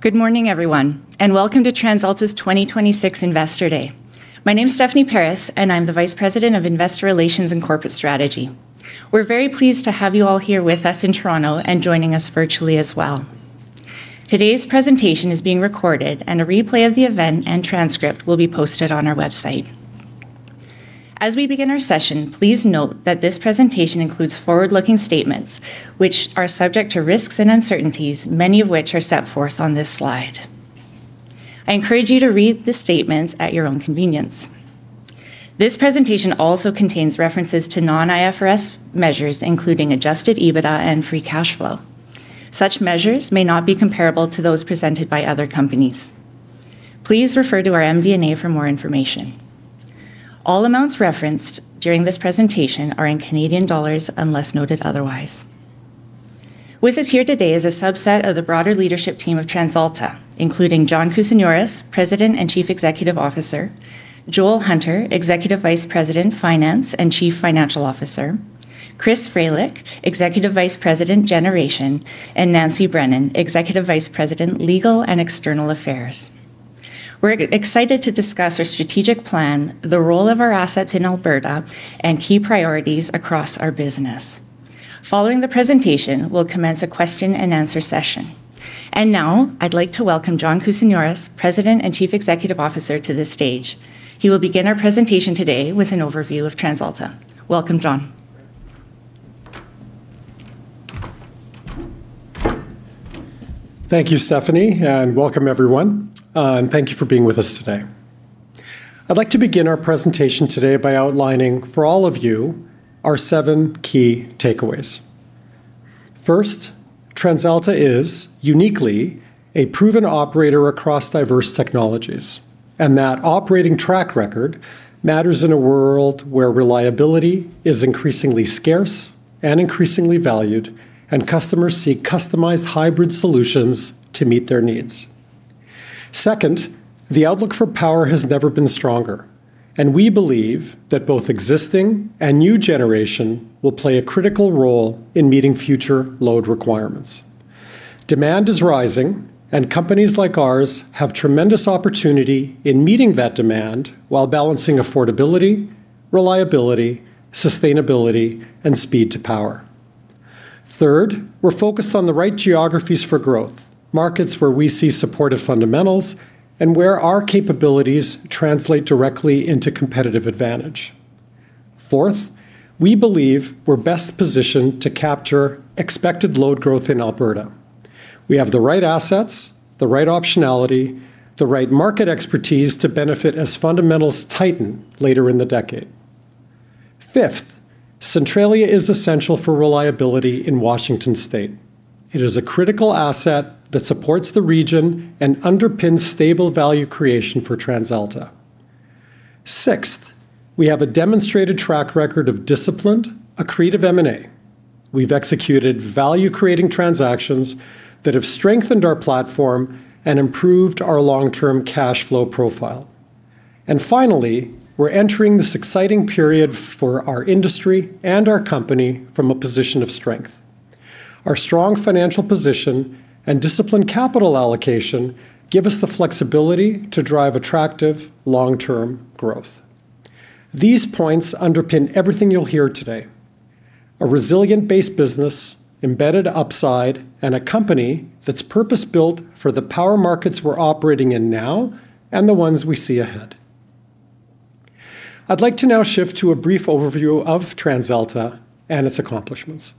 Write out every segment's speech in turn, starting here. Good morning, everyone and welcome to TransAlta's 2026 Investor Day. My name is Stephanie Paris and I'm the Vice President of Investor Relations and Corporate Strategy. We're very pleased to have you all here with us in Toronto and joining us virtually as well. Today's presentation is being recorded and a replay of the event and transcript will be posted on our website. As we begin our session, please note that this presentation includes forward-looking statements, which are subject to risks and uncertainties, many of which are set forth on this slide. I encourage you to read the statements at your own convenience. This presentation also contains references to non-IFRS measures, including adjusted EBITDA and Free Cash Flow. Such measures may not be comparable to those presented by other companies. Please refer to our MD&A for more information. All amounts referenced during this presentation are in Canadian dollars, unless noted otherwise. With us here today is a subset of the broader leadership team of TransAlta, including John Kousinioris, President and Chief Executive Officer, Joel Hunter, Executive Vice President, Finance and Chief Financial Officer, Chris Fralick, Executive Vice President, Generation and Nancy Brennan, Executive Vice President, Legal and External Affairs. We're excited to discuss our strategic plan, the role of our assets in Alberta and key priorities across our business. Following the presentation, we'll commence a question and answer session. Now I'd like to welcome John Kousinioris, President and Chief Executive Officer, to the stage. He will begin our presentation today with an overview of TransAlta. Welcome, John. Thank you, Stephanie and welcome everyone. thank you for being with us today. I'd like to begin our presentation today by outlining for all of you our seven key takeaways. First, TransAlta is uniquely a proven operator across diverse technologies and that operating track record matters in a world where reliability is increasingly scarce and increasingly valued and customers seek customized hybrid solutions to meet their needs. Second, the outlook for power has never been stronger and we believe that both existing and new generation will play a critical role in meeting future load requirements. Demand is rising and companies like ours have tremendous opportunity in meeting that demand while balancing affordability, reliability, sustainability and speed to power. Third, we're focused on the right geographies for growth, markets where we see supportive fundamentals and where our capabilities translate directly into competitive advantage. Fourth, we believe we're best positioned to capture expected load growth in Alberta. We have the right assets, the right optionality, the right market expertise to benefit as fundamentals tighten later in the decade. Fifth, Centralia is essential for reliability in Washington State. It is a critical asset that supports the region and underpins stable value creation for TransAlta. Sixth, we have a demonstrated track record of disciplined, accretive M&A. We've executed value-creating transactions that have strengthened our platform and improved our long-term cash flow profile. Finally, we're entering this exciting period for our industry and our company from a position of strength. Our strong financial position and disciplined capital allocation give us the flexibility to drive attractive long-term growth. These points underpin everything you'll hear today. A resilient base business, embedded upside and a company that's purpose-built for the power markets we're operating in now and the ones we see ahead. I'd like to now shift to a brief overview of TransAlta and its accomplishments.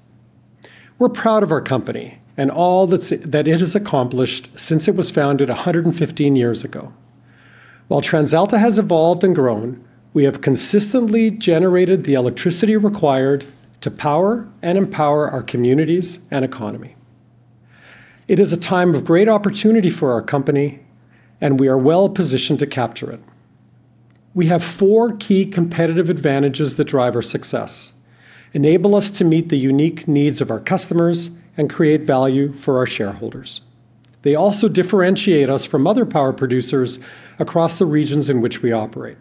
We're proud of our company and all that it has accomplished since it was founded 115 years ago. While TransAlta has evolved and grown, we have consistently generated the electricity required to power and empower our communities and economy. It is a time of great opportunity for our company and we are well-positioned to capture it. We have four key competitive advantages that drive our success, enable us to meet the unique needs of our customers and create value for our shareholders. They also differentiate us from other power producers across the regions in which we operate.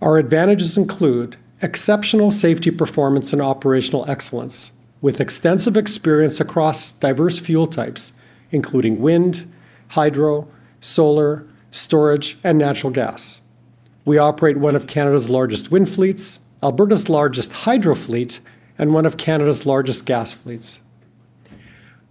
Our advantages include exceptional safety performance and operational excellence with extensive experience across diverse fuel types, including wind, hydro, solar, storage and natural gas. We operate one of Canada's largest wind fleets, Alberta's largest hydro fleet and one of Canada's largest gas fleets.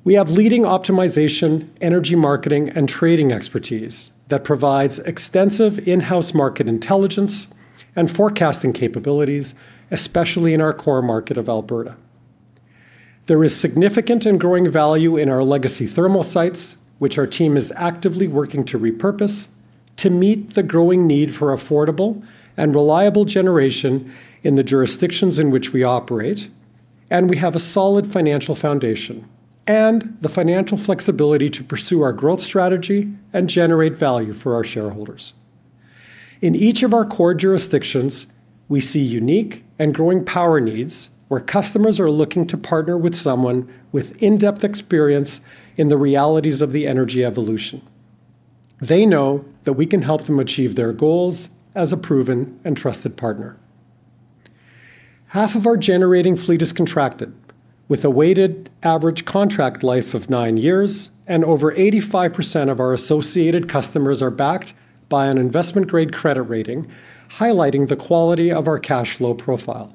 We have leading optimization, energy marketing and trading expertise that provides extensive in-house market intelligence and forecasting capabilities, especially in our core market of Alberta. There is significant and growing value in our legacy thermal sites, which our team is actively working to repurpose to meet the growing need for affordable and reliable generation in the jurisdictions in which we operate. We have a solid financial foundation and the financial flexibility to pursue our growth strategy and generate value for our shareholders. In each of our core jurisdictions, we see unique and growing power needs where customers are looking to partner with someone with in-depth experience in the realities of the energy evolution. They know that we can help them achieve their goals as a proven and trusted partner. Half of our generating fleet is contracted with a weighted average contract life of nine years and over 85% of our associated customers are backed by an investment-grade credit rating, highlighting the quality of our cash flow profile.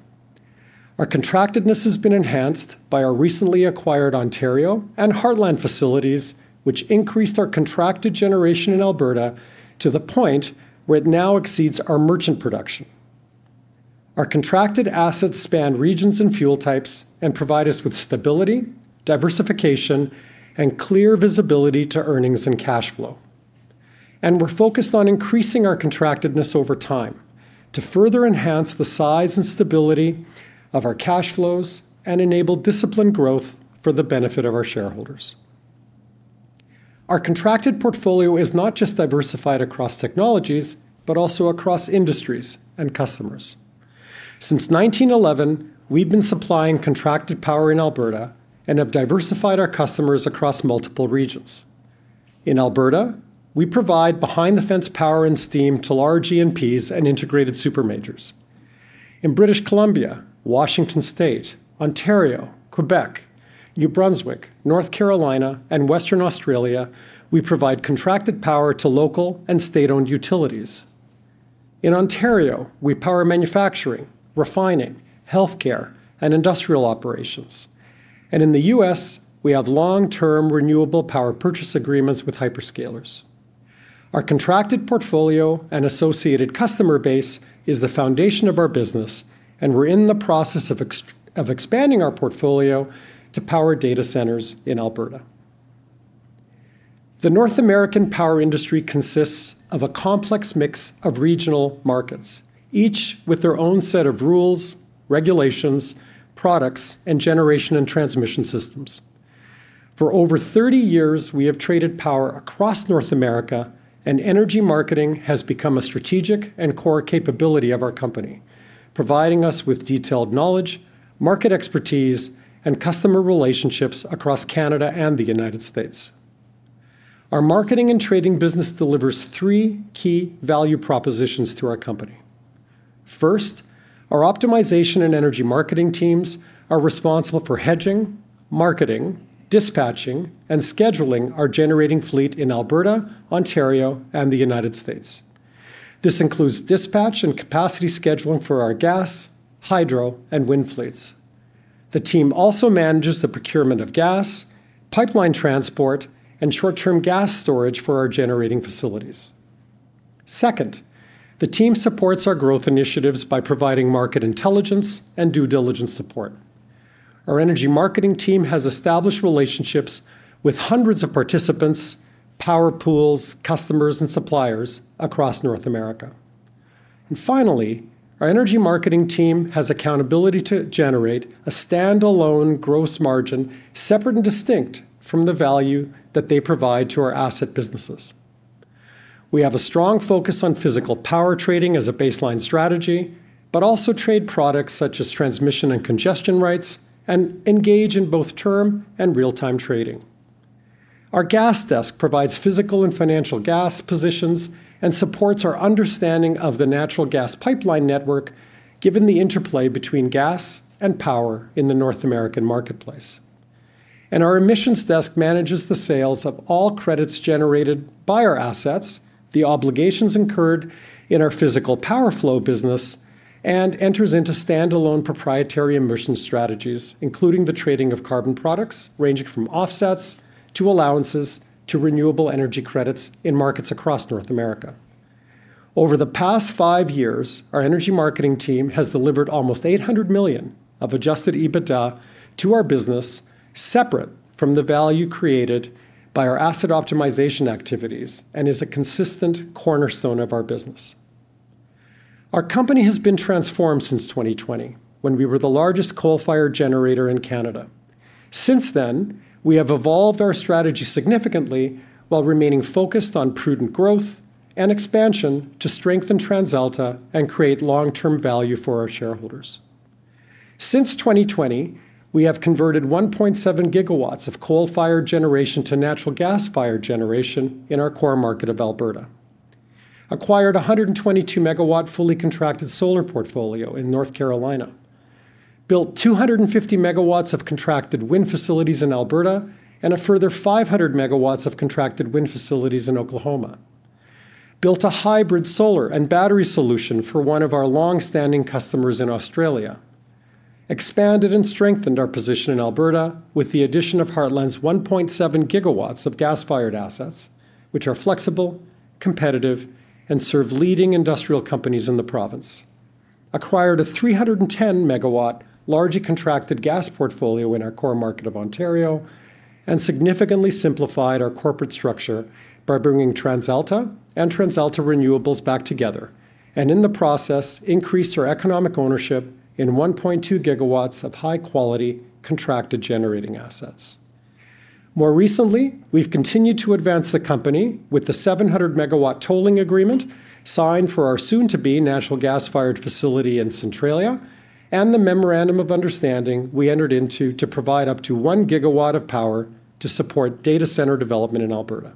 Our contractedness has been enhanced by our recently acquired Ontario and Heartland facilities, which increased our contracted generation in Alberta to the point where it now exceeds our merchant production. Our contracted assets span regions and fuel types and provide us with stability, diversification and clear visibility to earnings and cash flow. We're focused on increasing our contractedness over time to further enhance the size and stability of our cash flows and enable disciplined growth for the benefit of our shareholders. Our contracted portfolio is not just diversified across technologies but also across industries and customers. Since 1911, we've been supplying contracted power in Alberta and have diversified our customers across multiple regions. In Alberta, we provide behind-the-fence power and steam to large E&Ps and integrated super majors. In British Columbia, Washington State, Ontario, Quebec, New Brunswick, North Carolina and Western Australia, we provide contracted power to local and state-owned utilities. In Ontario, we power manufacturing, refining, healthcare and industrial operations. In the U.S., we have long-term renewable power purchase agreements with hyperscalers. Our contracted portfolio and associated customer base is the foundation of our business and we're in the process of expanding our portfolio to power data centers in Alberta. The North American power industry consists of a complex mix of regional markets, each with their own set of rules, regulations, products and generation and transmission systems. For over 30 years, we have traded power across North America and energy marketing has become a strategic and core capability of our company, providing us with detailed knowledge, market expertise and customer relationships across Canada and the United States. Our marketing and trading business delivers three key value propositions to our company. First, our optimization and energy marketing teams are responsible for hedging, marketing, dispatching and scheduling our generating fleet in Alberta, Ontario and the United States. This includes dispatch and capacity scheduling for our gas, hydro and wind fleets. The team also manages the procurement of gas, pipeline transport and short-term gas storage for our generating facilities. Second, the team supports our growth initiatives by providing market intelligence and due diligence support. Our energy marketing team has established relationships with hundreds of participants, power pools, customers and suppliers across North America. Finally, our energy marketing team has accountability to generate a standalone gross margin separate and distinct from the value that they provide to our asset businesses. We have a strong focus on physical power trading as a baseline strategy but also trade products such as transmission and congestion rights and engage in both term and real-time trading. Our gas desk provides physical and financial gas positions and supports our understanding of the natural gas pipeline network, given the interplay between gas and power in the North American marketplace. Our emissions desk manages the sales of all credits generated by our assets. The obligations incurred in our physical power flow business and enters into standalone proprietary emission strategies, including the trading of carbon products ranging from offsets to allowances to renewable energy credits in markets across North America. Over the past five years, our energy marketing team has delivered almost 800 million of adjusted EBITDA to our business separate from the value created by our asset optimization activities and is a consistent cornerstone of our business. Our company has been transformed since 2020 when we were the largest coal-fired generator in Canada. Since then, we have evolved our strategy significantly while remaining focused on prudent growth and expansion to strengthen TransAlta and create long-term value for our shareholders. Since 2020, we have converted 1.7 GW of coal-fired generation to natural gas-fired generation in our core market of Alberta. We acquired a 122-MW fully contracted solar portfolio in North Carolina. We built 250 MW of contracted wind facilities in Alberta and a further 500 MW of contracted wind facilities in Oklahoma. We built a hybrid solar and battery solution for one of our long-standing customers in Australia. We expanded and strengthened our position in Alberta with the addition of Heartland's 1.7 GW of gas-fired assets, which are flexible, competitive and serve leading industrial companies in the province. Acquired a 310-MW largely contracted gas portfolio in our core market of Ontario and significantly simplified our corporate structure by bringing TransAlta and TransAlta Renewables back together and in the process, increased our economic ownership in 1.2 GW of high-quality contracted generating assets. More recently, we've continued to advance the company with the 700 MW tolling agreement signed for our soon-to-be natural gas-fired facility in Centralia and the memorandum of understanding we entered into to provide up to 1 GW of power to support data center development in Alberta.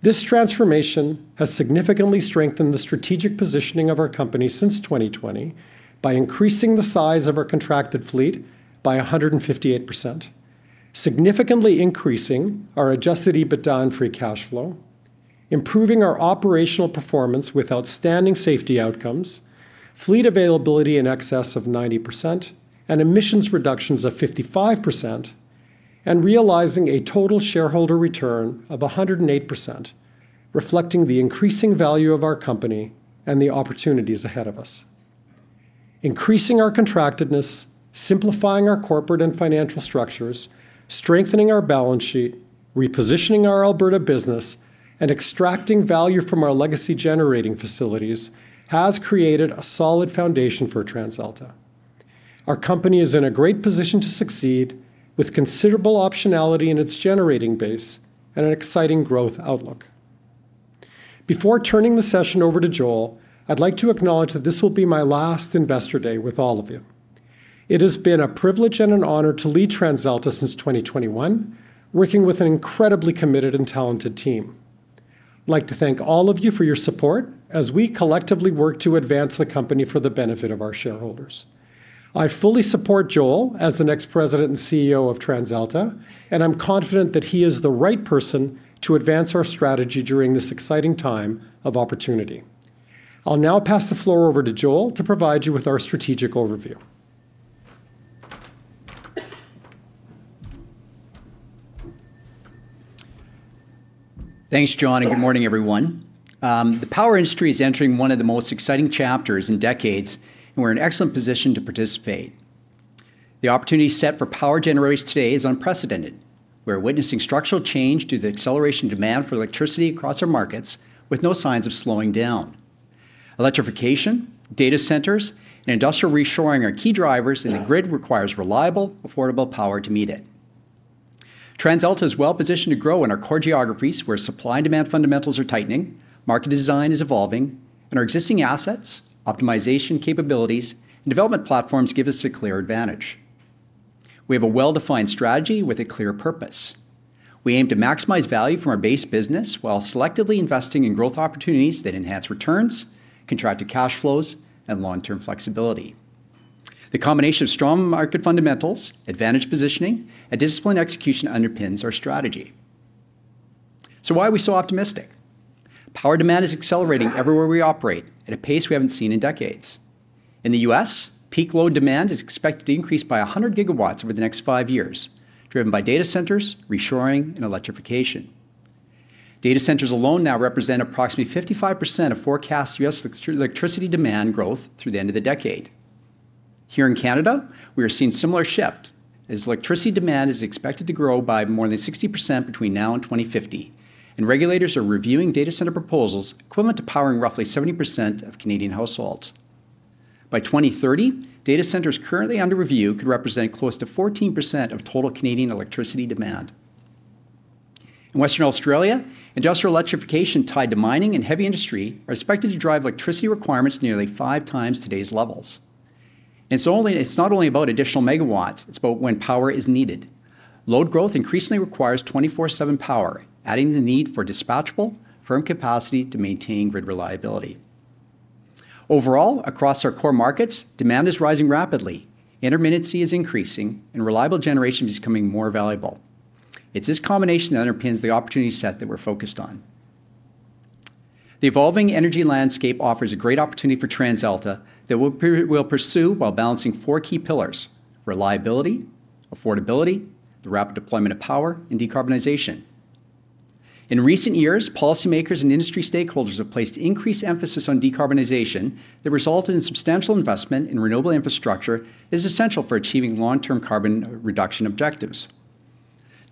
This transformation has significantly strengthened the strategic positioning of our company since 2020 by increasing the size of our contracted fleet by 158%, significantly increasing our adjusted EBITDA and Free Cash Flow, improving our operational performance with outstanding safety outcomes, fleet availability in excess of 90% and emissions reductions of 55% and realizing a total shareholder return of 108%, reflecting the increasing value of our company and the opportunities ahead of us. Increasing our contractedness, simplifying our corporate and financial structures, strengthening our balance sheet, repositioning our Alberta business and extracting value from our legacy generating facilities has created a solid foundation for TransAlta. Our company is in a great position to succeed with considerable optionality in its generating base and an exciting growth outlook. Before turning the session over to Joel, I'd like to acknowledge that this will be my last investor day with all of you. It has been a privilege and an honor to lead TransAlta since 2021, working with an incredibly committed and talented team. I'd like to thank all of you for your support as we collectively work to advance the company for the benefit of our shareholders. I fully support Joel as the next President and CEO of TransAlta and I'm confident that he is the right person to advance our strategy during this exciting time of opportunity. I'll now pass the floor over to Joel to provide you with our strategic overview. Thanks, John and good morning everyone. The power industry is entering one of the most exciting chapters in decades and we're in excellent position to participate. The opportunity set for power generators today is unprecedented. We're witnessing structural change due to the acceleration demand for electricity across our markets with no signs of slowing down. Electrification, data centers and industrial reshoring are key drivers and the grid requires reliable, affordable power to meet it. TransAlta is well-positioned to grow in our core geographies where supply and demand fundamentals are tightening, market design is evolving and our existing assets, optimization capabilities and development platforms give us a clear advantage. We have a well-defined strategy with a clear purpose. We aim to maximize value from our base business while selectively investing in growth opportunities that enhance returns, contracted cash flows and long-term flexibility. The combination of strong market fundamentals, advantageous positioning and disciplined execution underpins our strategy. Why are we so optimistic? Power demand is accelerating everywhere we operate at a pace we haven't seen in decades. In the U.S., peak load demand is expected to increase by 100 GW over the next 5 years, driven by data centers, reshoring and electrification. Data centers alone now represent approximately 55% of forecast U.S. electricity demand growth through the end of the decade. Here in Canada, we are seeing similar shift as electricity demand is expected to grow by more than 60% between now and 2050 and regulators are reviewing data center proposals equivalent to powering roughly 70% of Canadian households. By 2030, data centers currently under review could represent close to 14% of total Canadian electricity demand. In Western Australia, industrial electrification tied to mining and heavy industry are expected to drive electricity requirements nearly five times today's levels. It's not only about additional megawatts, it's about when power is needed. Load growth increasingly requires 24/7 power, adding the need for dispatchable firm capacity to maintain grid reliability. Overall, across our core markets, demand is rising rapidly, intermittency is increasing and reliable generation is becoming more valuable. It's this combination that underpins the opportunity set that we're focused on. The evolving energy landscape offers a great opportunity for TransAlta that we'll pursue while balancing four key pillars: reliability, affordability, the rapid deployment of power and decarbonization. In recent years, policymakers and industry stakeholders have placed increased emphasis on decarbonization that result in substantial investment in renewable infrastructure is essential for achieving long-term carbon reduction objectives.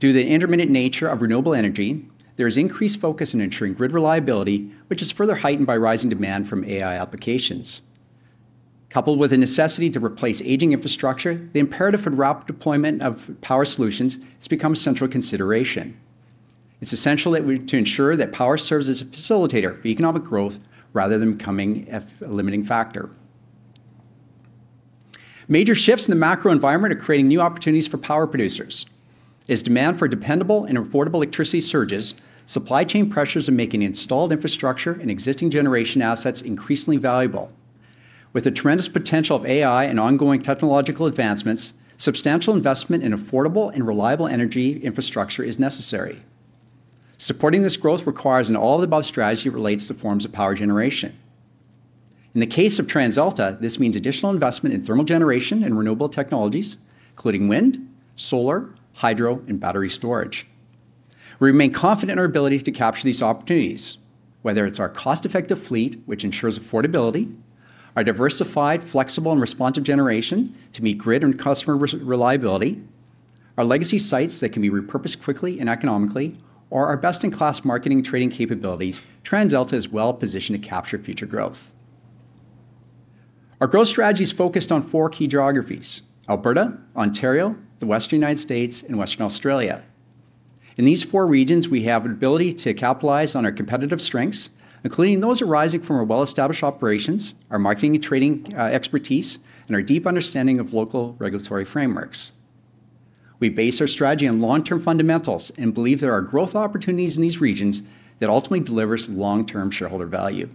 Due to the intermittent nature of renewable energy, there is increased focus on ensuring grid reliability, which is further heightened by rising demand from AI applications. Coupled with a necessity to replace aging infrastructure, the imperative and rapid deployment of power solutions has become a central consideration. It's essential to ensure that power serves as a facilitator for economic growth rather than becoming a limiting factor. Major shifts in the macro environment are creating new opportunities for power producers. As demand for dependable and affordable electricity surges, supply chain pressures are making installed infrastructure and existing generation assets increasingly valuable. With the tremendous potential of AI and ongoing technological advancements, substantial investment in affordable and reliable energy infrastructure is necessary. Supporting this growth requires an all-of-the-above strategy relates to forms of power generation. In the case of TransAlta, this means additional investment in thermal generation and renewable technologies, including wind, solar, hydro and battery storage. We remain confident in our ability to capture these opportunities, whether it's our cost-effective fleet, which ensures affordability, our diversified, flexible and responsive generation to meet grid and customer reliability, our legacy sites that can be repurposed quickly and economically or our best-in-class marketing and trading capabilities, TransAlta is well-positioned to capture future growth. Our growth strategy is focused on four key geographies: Alberta, Ontario, the Western United States and Western Australia. In these four regions, we have an ability to capitalize on our competitive strengths, including those arising from our well-established operations, our marketing and trading expertise and our deep understanding of local regulatory frameworks. We base our strategy on long-term fundamentals and believe there are growth opportunities in these regions that ultimately delivers long-term shareholder value.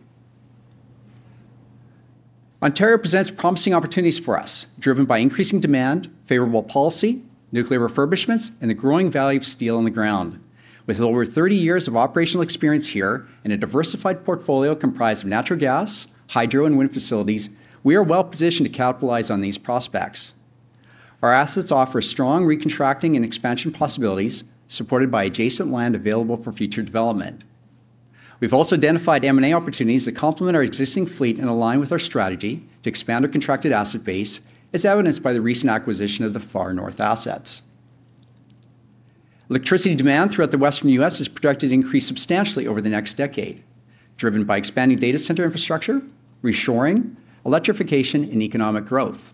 Ontario presents promising opportunities for us, driven by increasing demand, favorable policy, nuclear refurbishments and the growing value of steel in the ground. With over 30 years of operational experience here and a diversified portfolio comprised of natural gas, hydro and wind facilities, we are well-positioned to capitalize on these prospects. Our assets offer strong recontracting and expansion possibilities, supported by adjacent land available for future development. We've also identified M&A opportunities that complement our existing fleet and align with our strategy to expand our contracted asset base, as evidenced by the recent acquisition of the Far North Power assets. Electricity demand throughout the Western U.S. is projected to increase substantially over the next decade, driven by expanding data center infrastructure, reshoring, electrification and economic growth.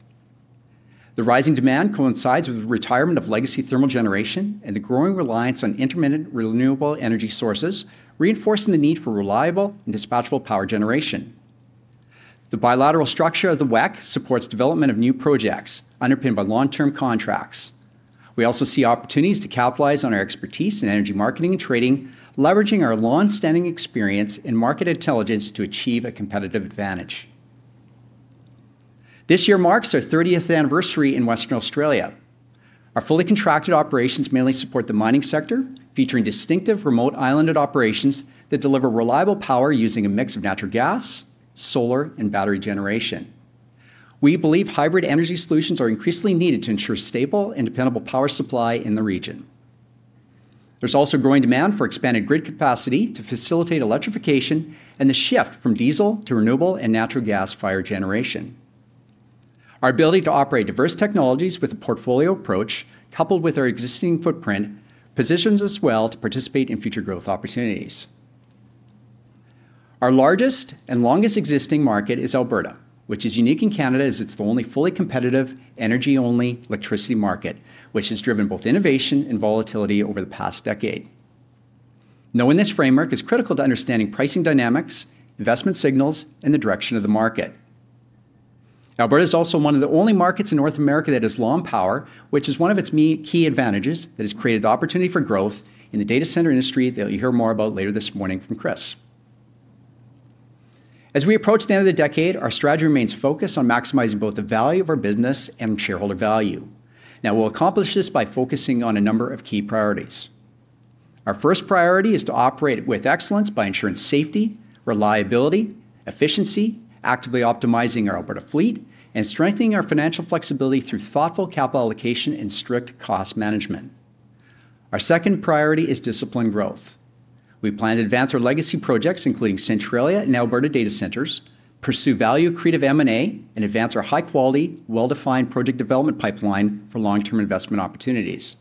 The rising demand coincides with the retirement of legacy thermal generation and the growing reliance on intermittent renewable energy sources, reinforcing the need for reliable and dispatchable power generation. The bilateral structure of the WECC supports development of new projects underpinned by long-term contracts. We also see opportunities to capitalize on our expertise in energy marketing and trading, leveraging our longstanding experience in market intelligence to achieve a competitive advantage. This year marks our thirtieth anniversary in Western Australia. Our fully contracted operations mainly support the mining sector, featuring distinctive remote islanded operations that deliver reliable power using a mix of natural gas, solar and battery generation. We believe hybrid energy solutions are increasingly needed to ensure stable and dependable power supply in the region. There's also growing demand for expanded grid capacity to facilitate electrification and the shift from diesel to renewable and natural gas-fired generation. Our ability to operate diverse technologies with a portfolio approach, coupled with our existing footprint, positions us well to participate in future growth opportunities. Our largest and longest existing market is Alberta, which is unique in Canada as it's the only fully competitive, energy-only electricity market, which has driven both innovation and volatility over the past decade. Knowing this framework is critical to understanding pricing dynamics, investment signals and the direction of the market. Alberta is also one of the only markets in North America that has long power, which is one of its key advantages that has created the opportunity for growth in the data center industry that you'll hear more about later this morning from Chris. As we approach the end of the decade, our strategy remains focused on maximizing both the value of our business and shareholder value. Now, we'll accomplish this by focusing on a number of key priorities. Our first priority is to operate with excellence by ensuring safety, reliability, efficiency, actively optimizing our Alberta fleet and strengthening our financial flexibility through thoughtful capital allocation and strict cost management. Our second priority is disciplined growth. We plan to advance our legacy projects, including Centralia and Alberta data centers, pursue value-accretive M&A and advance our high-quality, well-defined project development pipeline for long-term investment opportunities.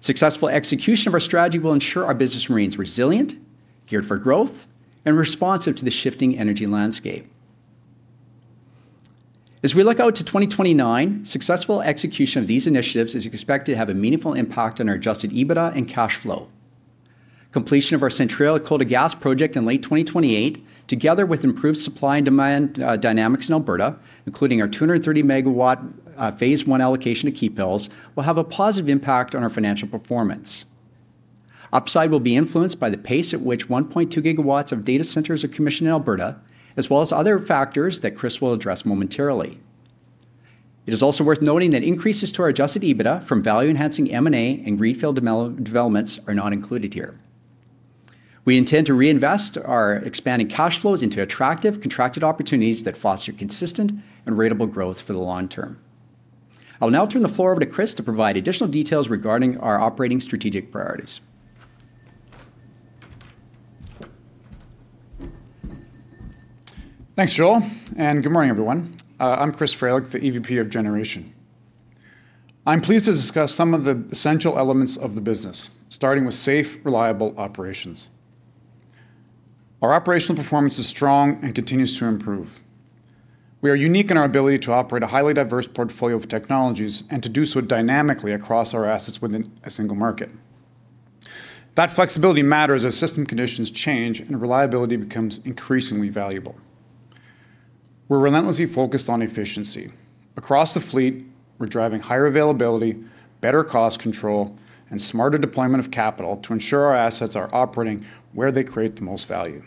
Successful execution of our strategy will ensure our business remains resilient, geared for growth and responsive to the shifting energy landscape. As we look out to 2029, successful execution of these initiatives is expected to have a meaningful impact on our adjusted EBITDA and cash flow. Completion of our Centralia coal-to-gas project in late 2028, together with improved supply and demand dynamics in Alberta, including our 230 MW phase I allocation to Keephills, will have a positive impact on our financial performance. Upside will be influenced by the pace at which 1.2 GW of data centers are commissioned in Alberta, as well as other factors that Chris will address momentarily. It is also worth noting that increases to our adjusted EBITDA from value-enhancing M&A and greenfield developments are not included here. We intend to reinvest our expanding cash flows into attractive contracted opportunities that foster consistent and ratable growth for the long term. I'll now turn the floor over to Chris to provide additional details regarding our operating strategic priorities. Thanks, Joel and good morning, everyone. I'm Chris Fralick, the EVP of Generation. I'm pleased to discuss some of the essential elements of the business, starting with safe, reliable operations. Our operational performance is strong and continues to improve. We are unique in our ability to operate a highly diverse portfolio of technologies and to do so dynamically across our assets within a single market. That flexibility matters as system conditions change and reliability becomes increasingly valuable. We're relentlessly focused on efficiency. Across the fleet, we're driving higher availability, better cost control and smarter deployment of capital to ensure our assets are operating where they create the most value.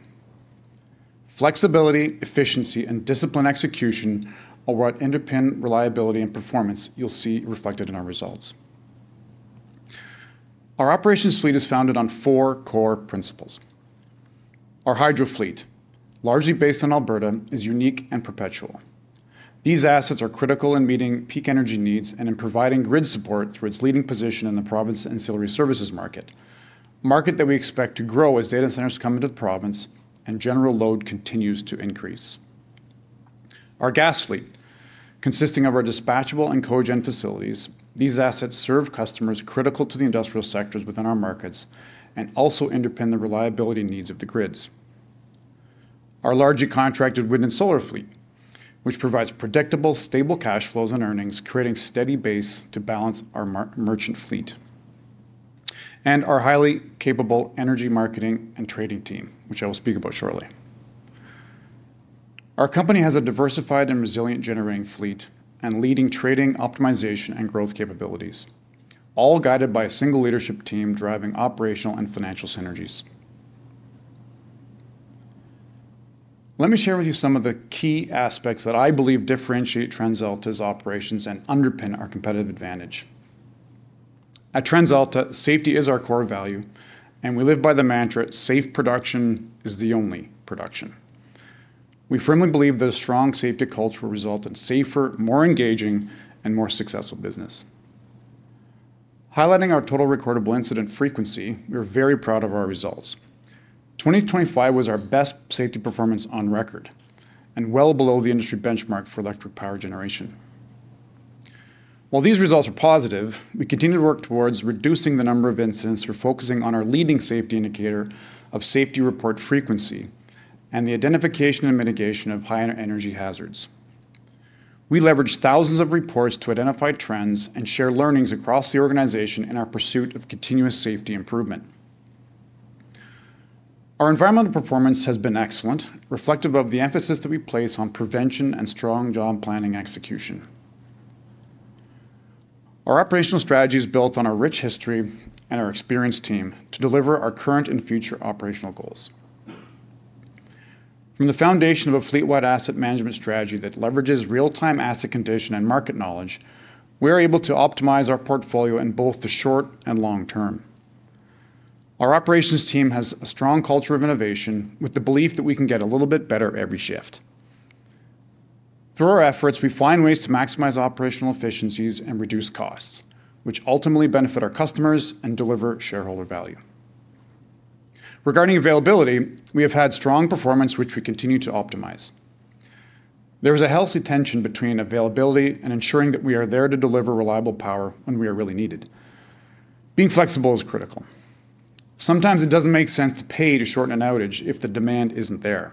Flexibility, efficiency and disciplined execution are what underpin reliability and performance you'll see reflected in our results. Our operations fleet is founded on four core principles. Our hydro fleet, largely based in Alberta, is unique and perpetual. These assets are critical in meeting peak energy needs and in providing grid support through its leading position in the province ancillary services market that we expect to grow as data centers come into the province and general load continues to increase. Our gas fleet, consisting of our dispatchable and cogen facilities, these assets serve customers critical to the industrial sectors within our markets and also underpin the reliability needs of the grids. Our largely contracted wind and solar fleet, which provides predictable, stable cash flows and earnings, creating steady base to balance our merchant fleet. Our highly capable energy marketing and trading team, which I will speak about shortly. Our company has a diversified and resilient generating fleet and leading trading optimization and growth capabilities, all guided by a single leadership team driving operational and financial synergies. Let me share with you some of the key aspects that I believe differentiate TransAlta's operations and underpin our competitive advantage. At TransAlta, safety is our core value and we live by the mantra, safe production is the only production. We firmly believe that a strong safety culture will result in safer, more engaging and more successful business. Highlighting our Total Recordable Incident Rate, we are very proud of our results. 2025 was our best safety performance on record and well below the industry benchmark for electric power generation. While these results are positive, we continue to work towards reducing the number of incidents. We're focusing on our leading safety indicator of safety inspection frequency and the identification and mitigation of high energy hazards. We leverage thousands of reports to identify trends and share learnings across the organization in our pursuit of continuous safety improvement. Our environmental performance has been excellent, reflective of the emphasis that we place on prevention and strong job planning execution. Our operational strategy is built on our rich history and our experienced team to deliver our current and future operational goals. From the foundation of a fleet-wide asset management strategy that leverages real-time asset condition and market knowledge, we're able to optimize our portfolio in both the short and long term. Our operations team has a strong culture of innovation with the belief that we can get a little bit better every shift. Through our efforts, we find ways to maximize operational efficiencies and reduce costs, which ultimately benefit our customers and deliver shareholder value. Regarding availability, we have had strong performance, which we continue to optimize. There is a healthy tension between availability and ensuring that we are there to deliver reliable power when we are really needed. Being flexible is critical. Sometimes it doesn't make sense to pay to shorten an outage if the demand isn't there.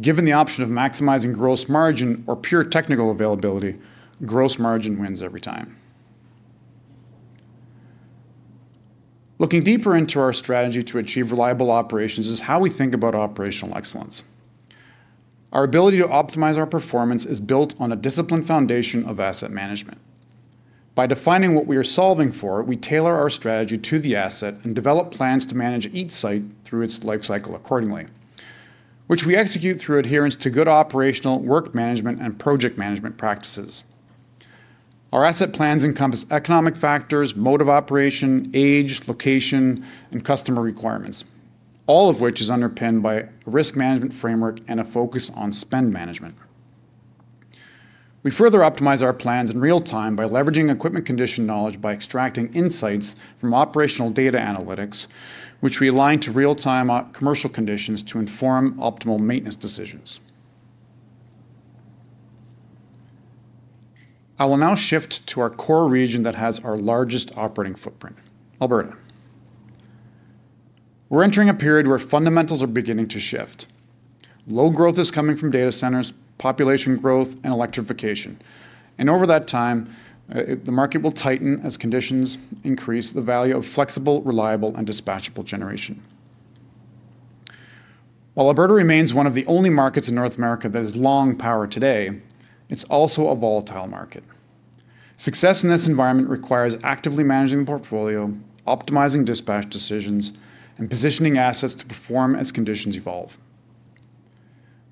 Given the option of maximizing gross margin or pure technical availability, gross margin wins every time. Looking deeper into our strategy to achieve reliable operations is how we think about operational excellence. Our ability to optimize our performance is built on a disciplined foundation of asset management. By defining what we are solving for, we tailor our strategy to the asset and develop plans to manage each site through its life cycle accordingly, which we execute through adherence to good operational work management and project management practices. Our asset plans encompass economic factors, mode of operation, age, location and customer requirements, all of which is underpinned by a risk management framework and a focus on spend management. We further optimize our plans in real time by leveraging equipment condition knowledge by extracting insights from operational data analytics, which we align to real-time commercial conditions to inform optimal maintenance decisions. I will now shift to our core region that has our largest operating footprint, Alberta. We're entering a period where fundamentals are beginning to shift. Load growth is coming from data centers, population growth and electrification. Over that time, the market will tighten as conditions increase the value of flexible, reliable and dispatchable generation. While Alberta remains one of the only markets in North America that is long power today, it's also a volatile market. Success in this environment requires actively managing the portfolio, optimizing dispatch decisions and positioning assets to perform as conditions evolve.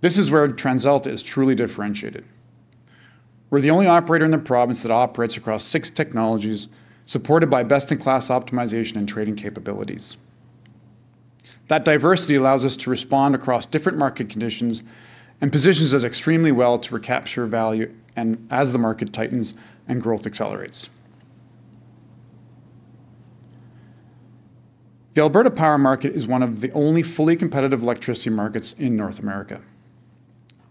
This is where TransAlta is truly differentiated. We're the only operator in the province that operates across six technologies supported by best-in-class optimization and trading capabilities. That diversity allows us to respond across different market conditions and positions us extremely well to recapture value as the market tightens and growth accelerates. The Alberta power market is one of the only fully competitive electricity markets in North America.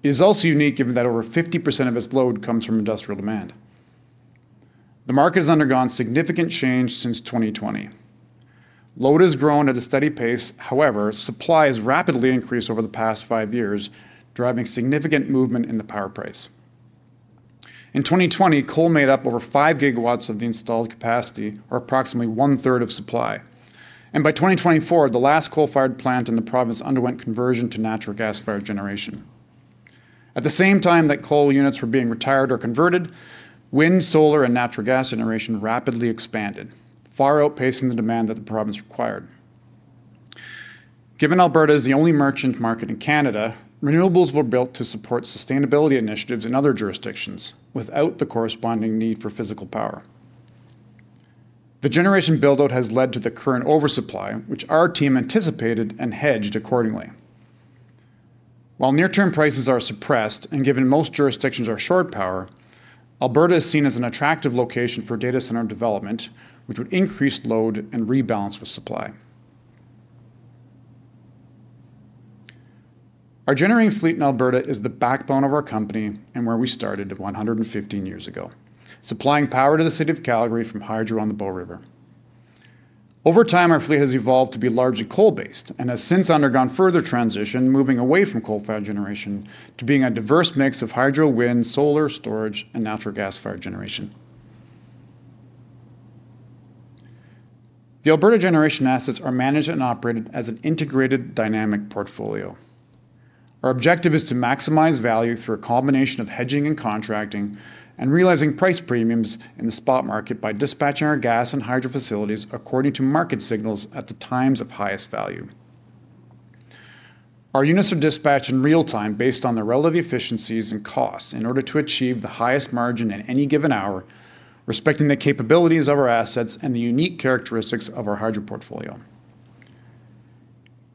It is also unique given that over 50% of its load comes from industrial demand. The market has undergone significant change since 2020. Load has grown at a steady pace. However, supply has rapidly increased over the past five years, driving significant movement in the power price. In 2020, coal made up over 5 GW of the installed capacity or approximately one-third of supply. By 2024, the last coal-fired plant in the province underwent conversion to natural gas-fired generation. At the same time that coal units were being retired or converted, wind, solar and natural gas generation rapidly expanded, far outpacing the demand that the province required. Given Alberta is the only merchant market in Canada, renewables were built to support sustainability initiatives in other jurisdictions without the corresponding need for physical power. The generation build-out has led to the current oversupply, which our team anticipated and hedged accordingly. While near-term prices are suppressed and given most jurisdictions are short power, Alberta is seen as an attractive location for data center development, which would increase load and rebalance with supply. Our generating fleet in Alberta is the backbone of our company and where we started 115 years ago, supplying power to the city of Calgary from hydro on the Bow River. Over time, our fleet has evolved to be largely coal-based and has since undergone further transition, moving away from coal-fired generation to being a diverse mix of hydro, wind, solar, storage and natural gas-fired generation. The Alberta generation assets are managed and operated as an integrated dynamic portfolio. Our objective is to maximize value through a combination of hedging and contracting and realizing price premiums in the spot market by dispatching our gas and hydro facilities according to market signals at the times of highest value. Our units are dispatched in real time based on the relative efficiencies and costs in order to achieve the highest margin at any given hour, respecting the capabilities of our assets and the unique characteristics of our hydro portfolio.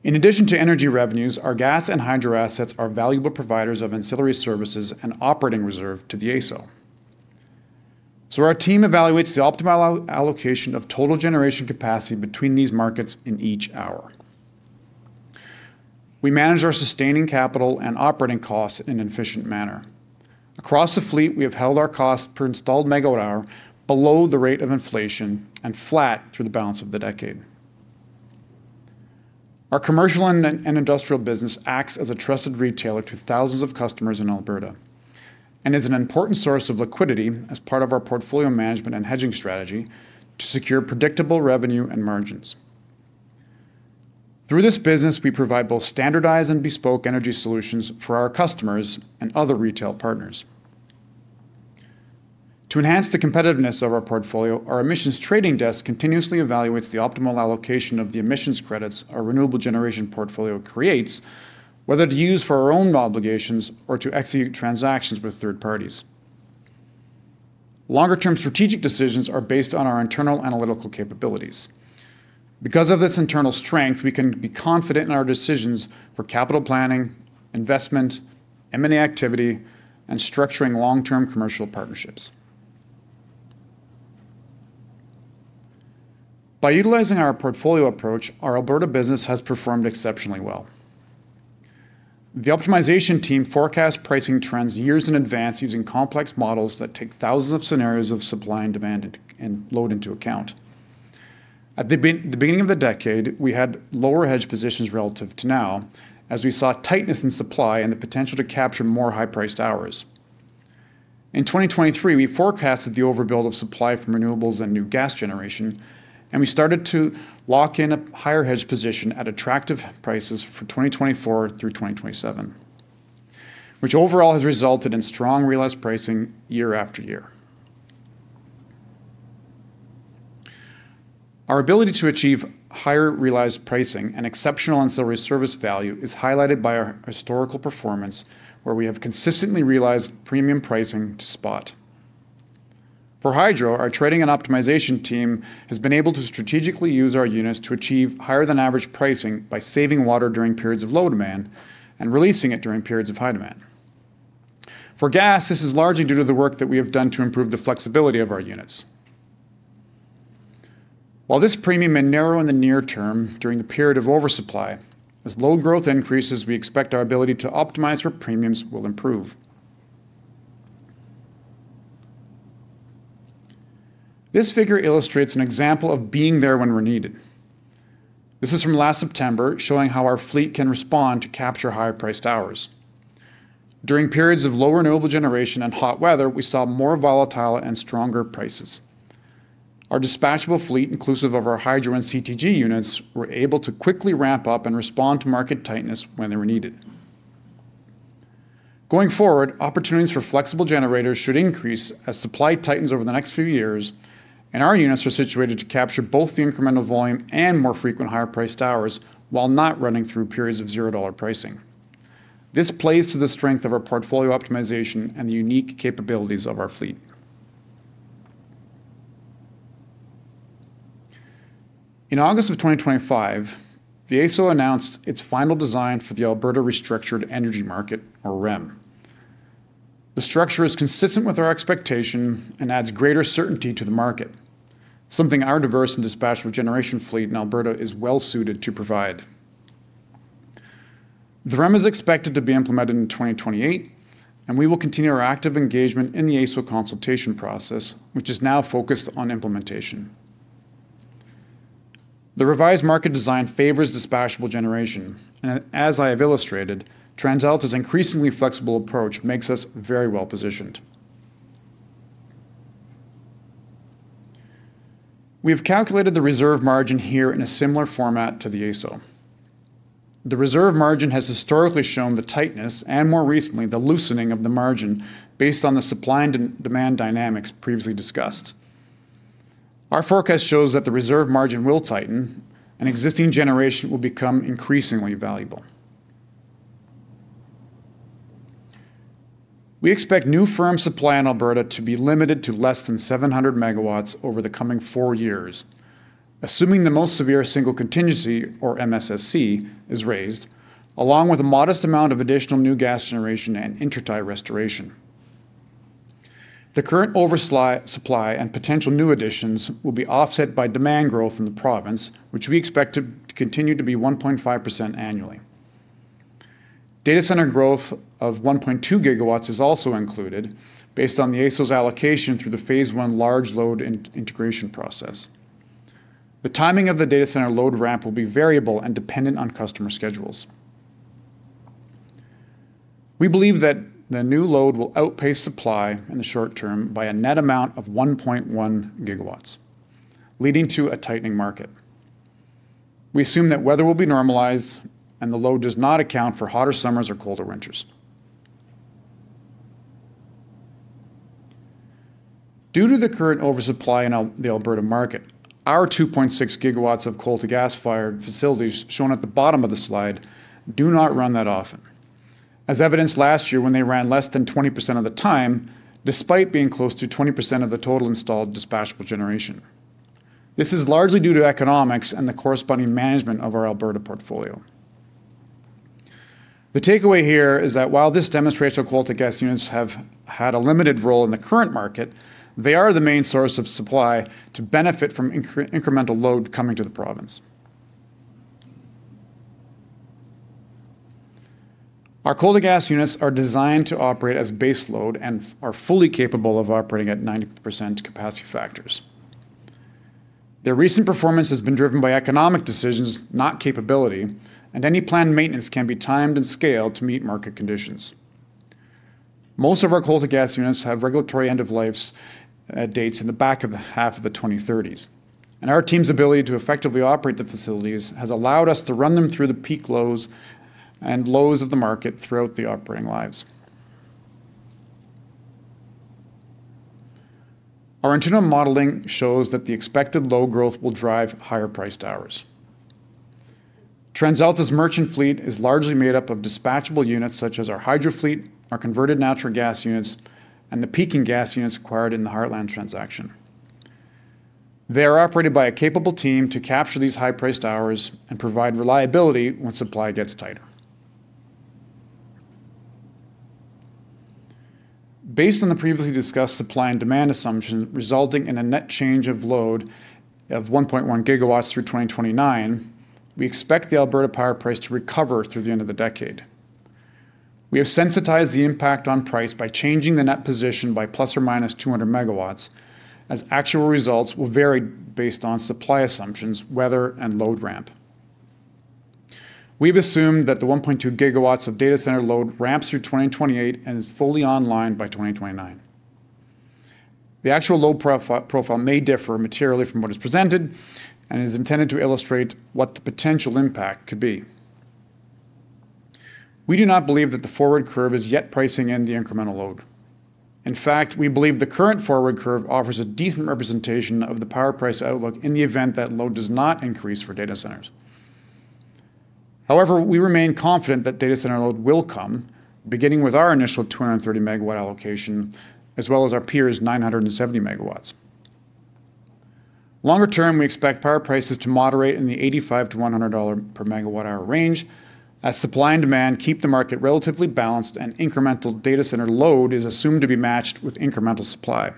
In addition to energy revenues, our gas and hydro assets are valuable providers of ancillary services and operating reserve to the AESO. Our team evaluates the optimal allocation of total generation capacity between these markets in each hour. We manage our sustaining capital and operating costs in an efficient manner. Across the fleet, we have held our costs per installed megawatt hour below the rate of inflation and flat through the balance of the decade. Our commercial and industrial business acts as a trusted retailer to thousands of customers in Alberta and is an important source of liquidity as part of our portfolio management and hedging strategy to secure predictable revenue and margins. Through this business, we provide both standardized and bespoke energy solutions for our customers and other retail partners. To enhance the competitiveness of our portfolio, our emissions trading desk continuously evaluates the optimal allocation of the emissions credits our renewable generation portfolio creates, whether to use for our own obligations or to execute transactions with third parties. Longer-term strategic decisions are based on our internal analytical capabilities. Because of this internal strength, we can be confident in our decisions for capital planning, investment, M&A activity and structuring long-term commercial partnerships. By utilizing our portfolio approach, our Alberta business has performed exceptionally well. The optimization team forecasts pricing trends years in advance using complex models that take thousands of scenarios of supply and demand and load into account. At the beginning of the decade, we had lower hedge positions relative to now as we saw tightness in supply and the potential to capture more high-priced hours. In 2023, we forecasted the overbuild of supply from renewables and new gas generation and we started to lock in a higher hedge position at attractive prices for 2024 through 2027, which overall has resulted in strong realized pricing year after year. Our ability to achieve higher realized pricing and exceptional ancillary service value is highlighted by our historical performance, where we have consistently realized premium pricing to spot. For hydro, our trading and optimization team has been able to strategically use our units to achieve higher-than-average pricing by saving water during periods of low demand and releasing it during periods of high demand. For gas, this is largely due to the work that we have done to improve the flexibility of our units. While this premium may narrow in the near term during the period of oversupply, as load growth increases, we expect our ability to optimize for premiums will improve. This figure illustrates an example of being there when we're needed. This is from last September, showing how our fleet can respond to capture higher-priced hours. During periods of low renewable generation and hot weather, we saw more volatile and stronger prices. Our dispatchable fleet, inclusive of our hydro and CTG units, were able to quickly ramp up and respond to market tightness when they were needed. Going forward, opportunities for flexible generators should increase as supply tightens over the next few years and our units are situated to capture both the incremental volume and more frequent higher-priced hours while not running through periods of zero-dollar pricing. This plays to the strength of our portfolio optimization and the unique capabilities of our fleet. In August of 2025, the AESO announced its final design for the Alberta Restructured Energy Market or REM. The structure is consistent with our expectation and adds greater certainty to the market, something our diverse and dispatchable generation fleet in Alberta is well-suited to provide. The REM is expected to be implemented in 2028 and we will continue our active engagement in the AESO consultation process, which is now focused on implementation. The revised market design favors dispatchable generation and as I have illustrated, TransAlta's increasingly flexible approach makes us very well-positioned. We have calculated the reserve margin here in a similar format to the AESO. The reserve margin has historically shown the tightness and more recently the loosening of the margin based on the supply and demand dynamics previously discussed. Our forecast shows that the reserve margin will tighten and existing generation will become increasingly valuable. We expect new firm supply in Alberta to be limited to less than 700 MW over the coming four years, assuming the most severe single contingency or MSSC, is raised, along with a modest amount of additional new gas generation and inter-tie restoration. The current oversupply and potential new additions will be offset by demand growth in the province, which we expect to continue to be 1.5% annually. Data center growth of 1.2 GW is also included based on the AESO's allocation through the phase I large load integration process. The timing of the data center load ramp will be variable and dependent on customer schedules. We believe that the new load will outpace supply in the short term by a net amount of 1.1 GW, leading to a tightening market. We assume that weather will be normalized and the load does not account for hotter summers or colder winters. Due to the current oversupply in the Alberta market, our 2.6 GW of coal-to-gas-fired facilities shown at the bottom of the slide do not run that often. As evidenced last year when they ran less than 20% of the time, despite being close to 20% of the total installed dispatchable generation. This is largely due to economics and the corresponding management of our Alberta portfolio. The takeaway here is that while this demonstrates our coal-to-gas units have had a limited role in the current market, they are the main source of supply to benefit from incremental load coming to the province. Our coal-to-gas units are designed to operate as base load and are fully capable of operating at 90% capacity factors. Their recent performance has been driven by economic decisions, not capability and any planned maintenance can be timed and scaled to meet market conditions. Most of our coal-to-gas units have regulatory end-of-life dates in the back half of the 2030s and our team's ability to effectively operate the facilities has allowed us to run them through the peaks and lows of the market throughout the operating lives. Our internal modeling shows that the expected load growth will drive higher-priced hours. TransAlta's merchant fleet is largely made up of dispatchable units such as our hydro fleet, our converted natural gas units and the peaking gas units acquired in the Heartland transaction. They are operated by a capable team to capture these high-priced hours and provide reliability when supply gets tighter. Based on the previously discussed supply and demand assumption resulting in a net change of load of 1.1 GW through 2029, we expect the Alberta power price to recover through the end of the decade. We have sensitized the impact on price by changing the net position by ±200 MW as actual results will vary based on supply assumptions, weather and load ramp. We've assumed that the 1.2 GW of data center load ramps through 2028 and is fully online by 2029. The actual load profile may differ materially from what is presented and is intended to illustrate what the potential impact could be. We do not believe that the forward curve is yet pricing in the incremental load. In fact, we believe the current forward curve offers a decent representation of the power price outlook in the event that load does not increase for data centers. However, we remain confident that data center load will come beginning with our initial 230 MW allocation, as well as our peers' 970 MW. Longer term, we expect power prices to moderate in the 85-100 dollar per MWh range as supply and demand keep the market relatively balanced and incremental data center load is assumed to be matched with incremental supply.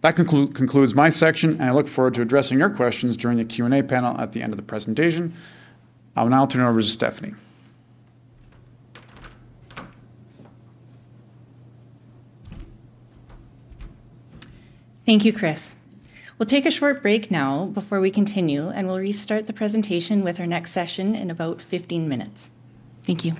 That concludes my section and I look forward to addressing your questions during the Q&A panel at the end of the presentation. I will now turn it over to Stephanie. Thank you, Chris. We'll take a short break now before we continue and we'll restart the presentation with our next session in about 15 minutes. Thank you.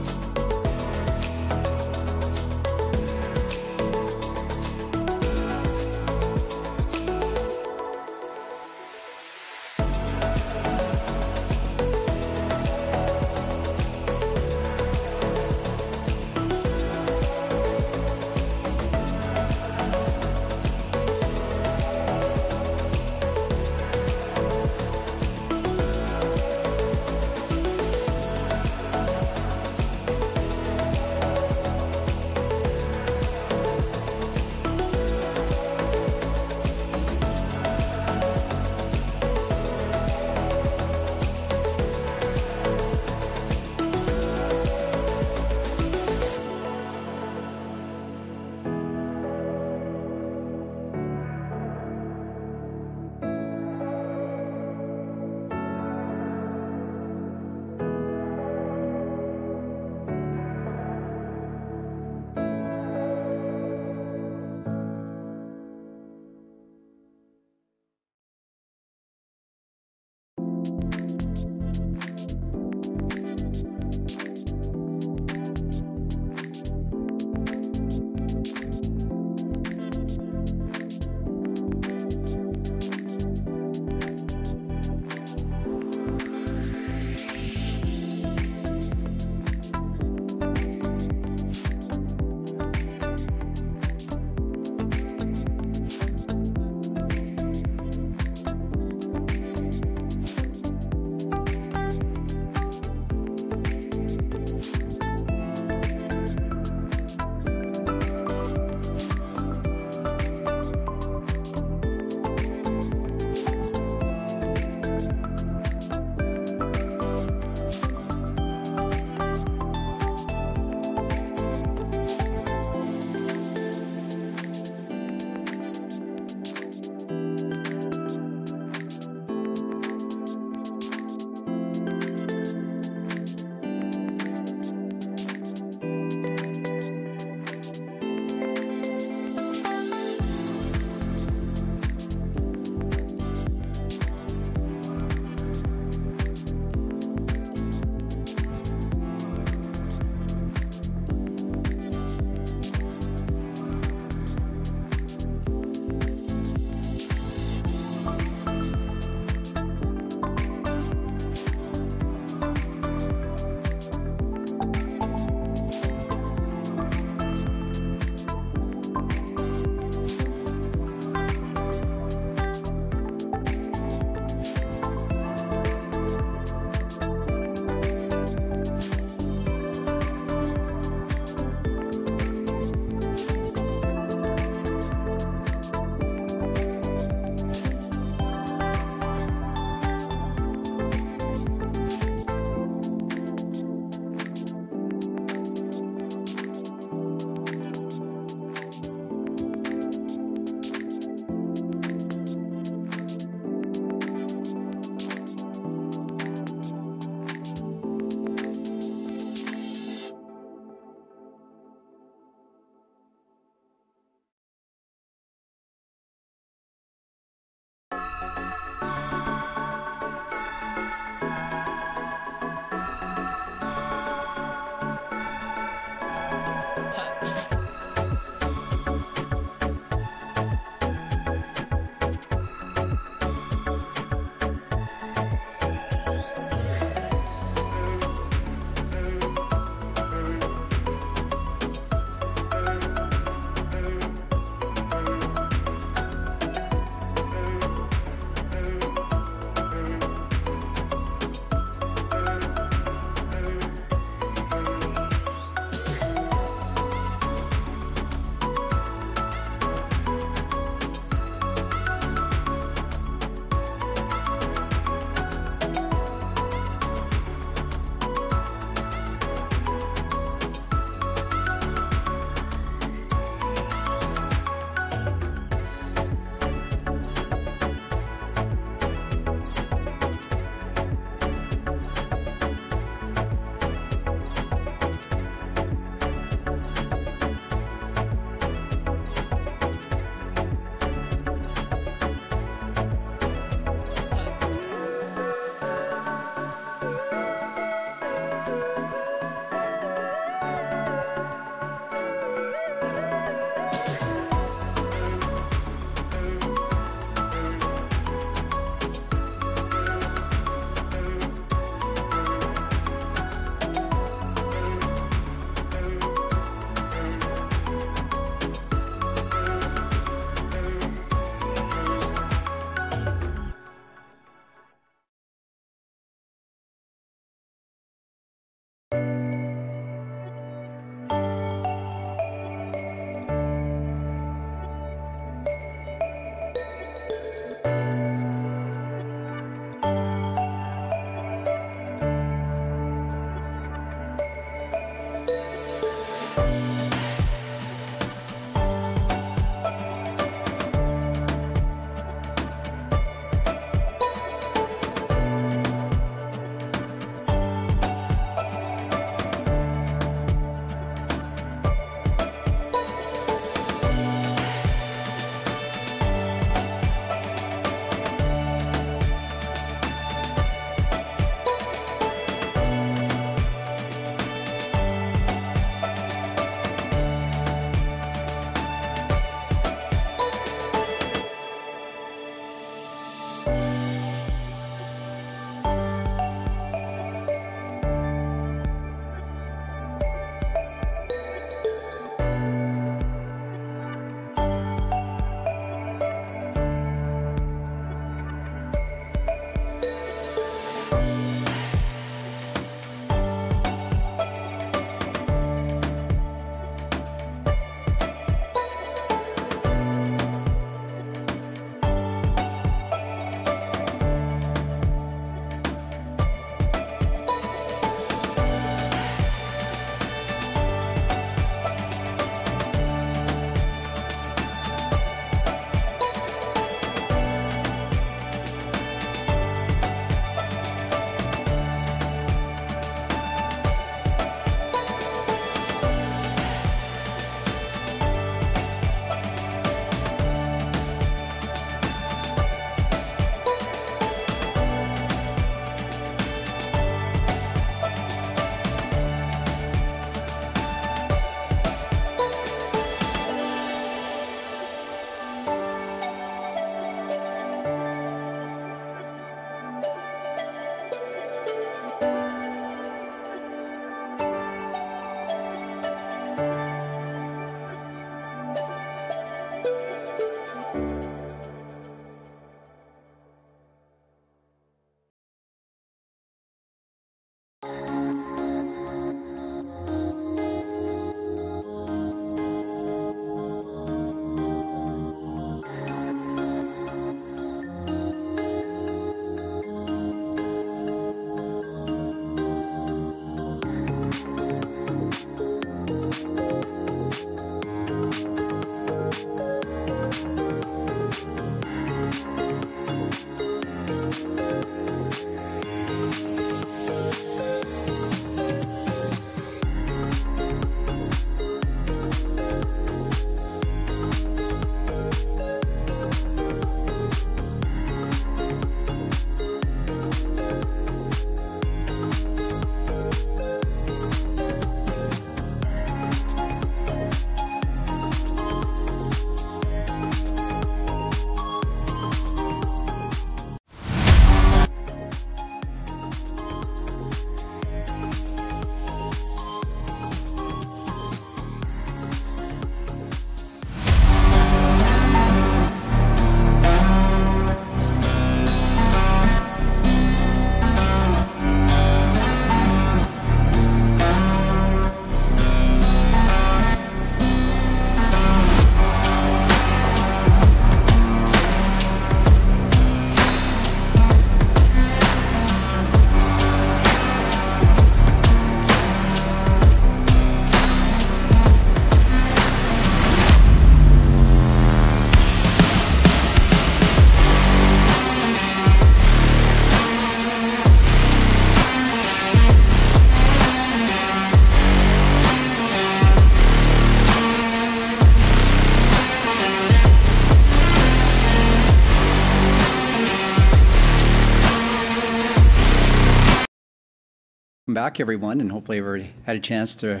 Welcome back everyone and hopefully everybody had a chance to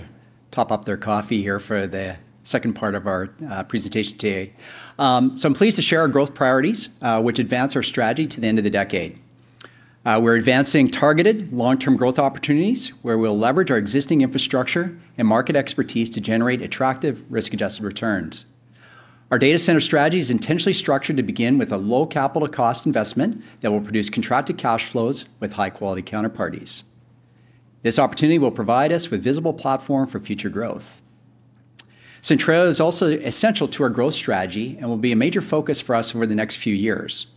top up their coffee here for the second part of our presentation today. I'm pleased to share our growth priorities, which advance our strategy to the end of the decade. We're advancing targeted long-term growth opportunities where we'll leverage our existing infrastructure and market expertise to generate attractive risk-adjusted returns. Our data center strategy is intentionally structured to begin with a low capital cost investment that will produce contracted cash flows with high-quality counterparties. This opportunity will provide us with viable platform for future growth. Centralia is also essential to our growth strategy and will be a major focus for us over the next few years.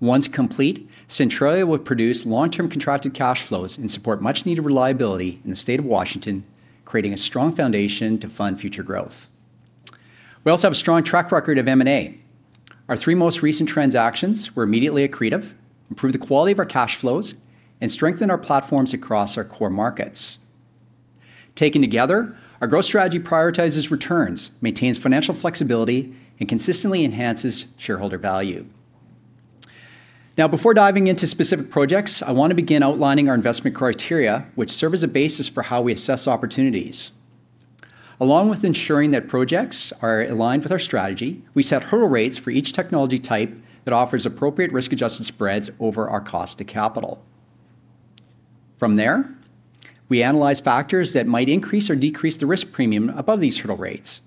Once complete, Centralia will produce long-term contracted cash flows and support much-needed reliability in the state of Washington, creating a strong foundation to fund future growth. We also have a strong track record of M&A. Our three most recent transactions were immediately accretive, improved the quality of our cash flows and strengthened our platforms across our core markets. Taken together, our growth strategy prioritizes returns, maintains financial flexibility and consistently enhances shareholder value. Now, before diving into specific projects, I want to begin outlining our investment criteria, which serve as a basis for how we assess opportunities. Along with ensuring that projects are aligned with our strategy, we set hurdle rates for each technology type that offers appropriate risk-adjusted spreads over our cost of capital. From there, we analyze factors that might increase or decrease the risk premium above these hurdle rates.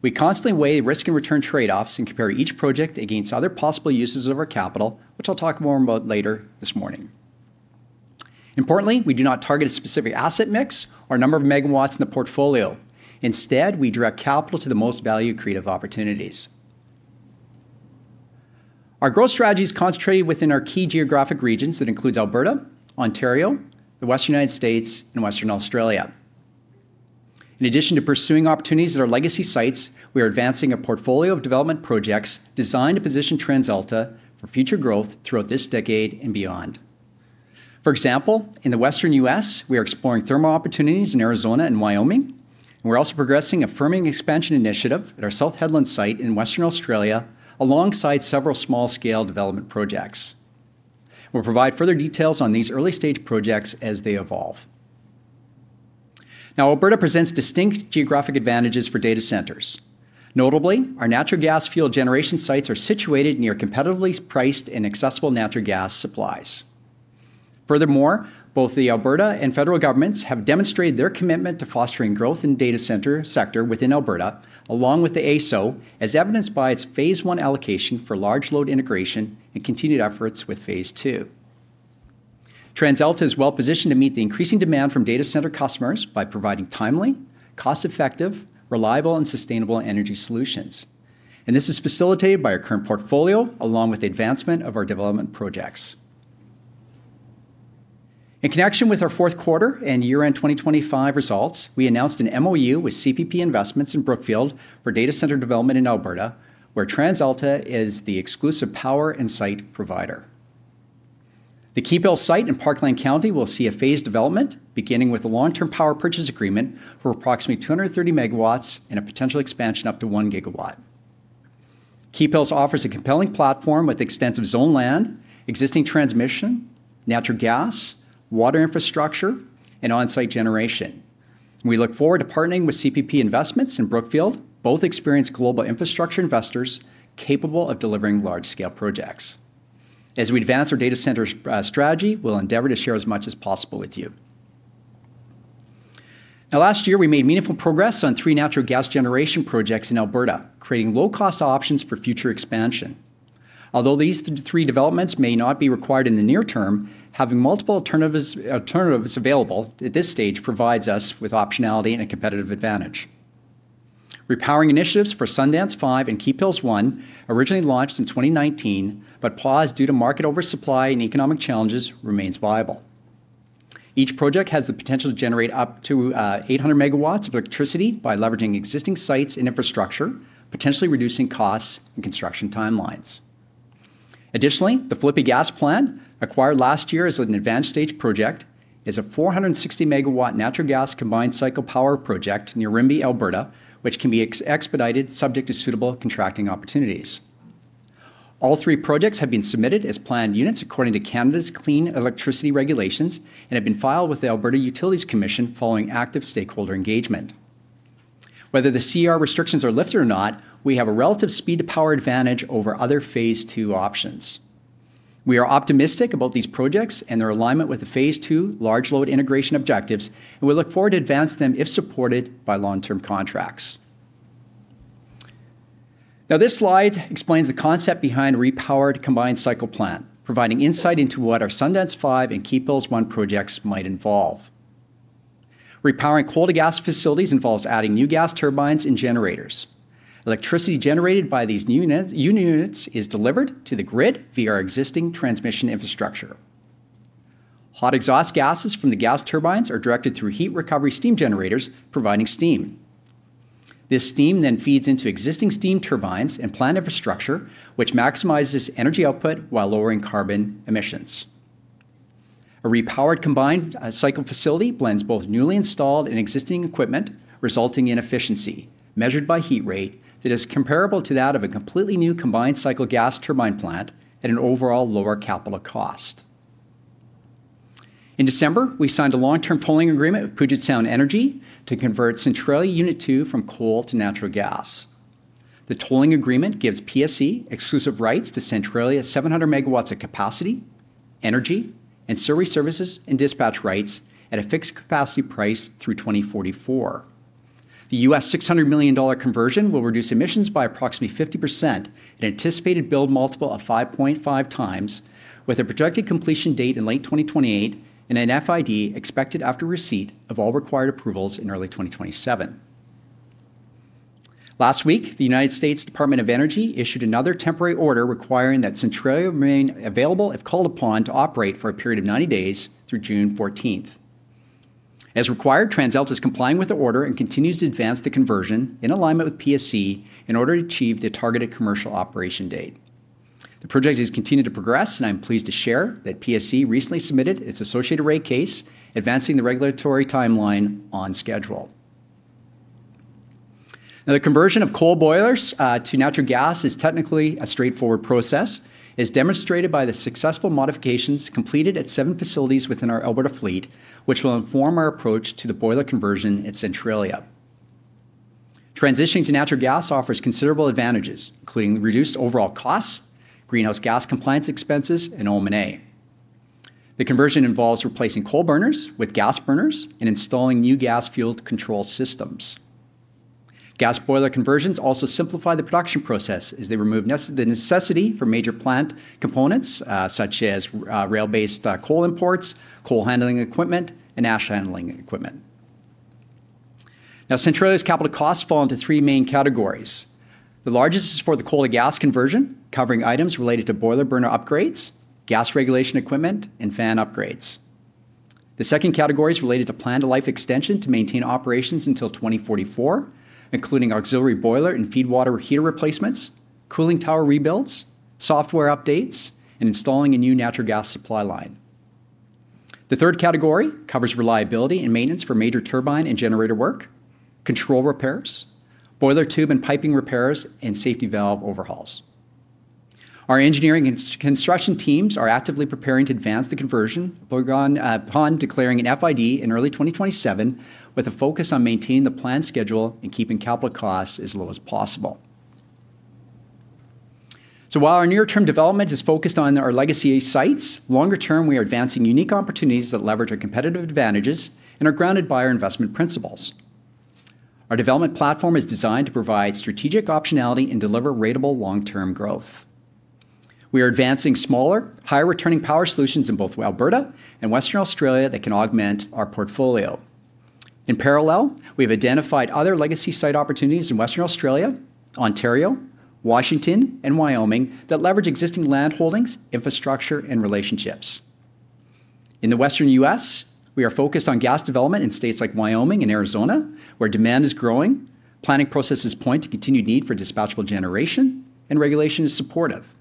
We constantly weigh risk and return trade-offs and compare each project against other possible uses of our capital, which I'll talk more about later this morning. Importantly, we do not target a specific asset mix or number of megawatts in the portfolio. Instead, we direct capital to the most value-accretive opportunities. Our growth strategy is concentrated within our key geographic regions that includes Alberta, Ontario, the Western United States and Western Australia. In addition to pursuing opportunities at our legacy sites, we are advancing a portfolio of development projects designed to position TransAlta for future growth throughout this decade and beyond. For example, in the Western U.S., we are exploring thermal opportunities in Arizona and Wyoming. We're also progressing a firming expansion initiative at our South Hedland site in Western Australia, alongside several small-scale development projects. We'll provide further details on these early-stage projects as they evolve. Now, Alberta presents distinct geographic advantages for data centers. Notably, our natural gas field generation sites are situated near competitively priced and accessible natural gas supplies. Furthermore, both the Alberta and federal governments have demonstrated their commitment to fostering growth in data center sector within Alberta, along with the AESO, as evidenced by its phase I allocation for large load integration and continued efforts with phase II. TransAlta is well-positioned to meet the increasing demand from data center customers by providing timely, cost-effective, reliable and sustainable energy solutions. This is facilitated by our current portfolio, along with the advancement of our development projects. In connection with our fourth quarter and year-end 2025 results, we announced an MOU with CPP Investments and Brookfield for data center development in Alberta, where TransAlta is the exclusive power and site provider. The Keephills site in Parkland County will see a phased development, beginning with a long-term power purchase agreement for approximately 230 MW and a potential expansion up to 1 GW. Keephills offers a compelling platform with extensive zoned land, existing transmission, natural gas, water infrastructure and on-site generation. We look forward to partnering with CPP Investments and Brookfield, both experienced global infrastructure investors capable of delivering large-scale projects. As we advance our data center strategy, we'll endeavor to share as much as possible with you. Now, last year, we made meaningful progress on three natural gas generation projects in Alberta, creating low-cost options for future expansion. Although these three developments may not be required in the near term, having multiple alternatives available at this stage provides us with optionality and a competitive advantage. Repowering initiatives for Sundance Unit 5 and Keephills Unit 1, originally launched in 2019 but paused due to market oversupply and economic challenges, remains viable. Each project has the potential to generate up to 800 MW of electricity by leveraging existing sites and infrastructure, potentially reducing costs and construction timelines. Additionally, the Flipi Gas Plant, acquired last year as an advanced stage project, is a 460 MW natural gas combined cycle power project near Rimbey, Alberta, which can be expedited subject to suitable contracting opportunities. All three projects have been submitted as planned units according to Canada's Clean Electricity Regulations and have been filed with the Alberta Utilities Commission following active stakeholder engagement. Whether the CER restrictions are lifted or not, we have a relative speed to power advantage over other phase II options. We are optimistic about these projects and their alignment with the phase II large load integration objectives and we look forward to advance them if supported by long-term contracts. Now, this slide explains the concept behind repowered combined cycle plant, providing insight into what our Sundance Unit 5 and Keephills Unit 1 projects might involve. Repowering coal to gas facilities involves adding new gas turbines and generators. Electricity generated by these new units is delivered to the grid via our existing transmission infrastructure. Hot exhaust gases from the gas turbines are directed through heat recovery steam generators, providing steam. This steam then feeds into existing steam turbines and plant infrastructure, which maximizes energy output while lowering carbon emissions. A repowered combined cycle facility blends both newly installed and existing equipment, resulting in efficiency measured by heat rate that is comparable to that of a completely new combined cycle gas turbine plant at an overall lower capital cost. In December, we signed a long-term tolling agreement with Puget Sound Energy to convert Centralia Unit 2 from coal to natural gas. The tolling agreement gives PSE exclusive rights to Centralia's 700 MW of capacity, energy and ancillary services and dispatch rights at a fixed capacity price through 2044. The $600 million conversion will reduce emissions by approximately 50%, an anticipated build multiple of 5.5x, with a projected completion date in late 2028 and an FID expected after receipt of all required approvals in early 2027. Last week, the United States Department of Energy issued another temporary order requiring that Centralia remain available if called upon to operate for a period of 90 days through 14 June. As required, TransAlta is complying with the order and continues to advance the conversion in alignment with PSE in order to achieve the targeted commercial operation date. The project has continued to progress and I'm pleased to share that PSE recently submitted its associated rate case, advancing the regulatory timeline on schedule. Now, the conversion of coal boilers to natural gas is technically a straightforward process, as demonstrated by the successful modifications completed at 7 facilities within our Alberta fleet, which will inform our approach to the boiler conversion at Centralia. Transitioning to natural gas offers considerable advantages, including reduced overall costs, greenhouse gas compliance expenses and O&M. The conversion involves replacing coal burners with gas burners and installing new gas-fueled control systems. Gas boiler conversions also simplify the production process as they remove the necessity for major plant components, such as rail-based coal imports, coal handling equipment and ash handling equipment. Now, Centralia's capital costs fall into three main categories. The largest is for the coal-to-gas conversion, covering items related to boiler burner upgrades, gas regulation equipment and fan upgrades. The second category is related to planned life extension to maintain operations until 2044, including auxiliary boiler and feed water heater replacements, cooling tower rebuilds, software updates and installing a new natural gas supply line. The third category covers reliability and maintenance for major turbine and generator work, control repairs, boiler tube and piping repairs and safety valve overhauls. Our engineering and construction teams are actively preparing to advance the conversion begun upon declaring an FID in early 2027, with a focus on maintaining the planned schedule and keeping capital costs as low as possible. While our near-term development is focused on our legacy sites, longer term, we are advancing unique opportunities that leverage our competitive advantages and are grounded by our investment principles. Our development platform is designed to provide strategic optionality and deliver ratable long-term growth. We are advancing smaller, higher-returning power solutions in both Alberta and Western Australia that can augment our portfolio. In parallel, we have identified other legacy site opportunities in Western Australia, Ontario, Washington and Wyoming that leverage existing land holdings, infrastructure and relationships. In the Western U.S., we are focused on gas development in states like Wyoming and Arizona, where demand is growing, planning processes point to continued need for dispatchable generation and regulation is supportive.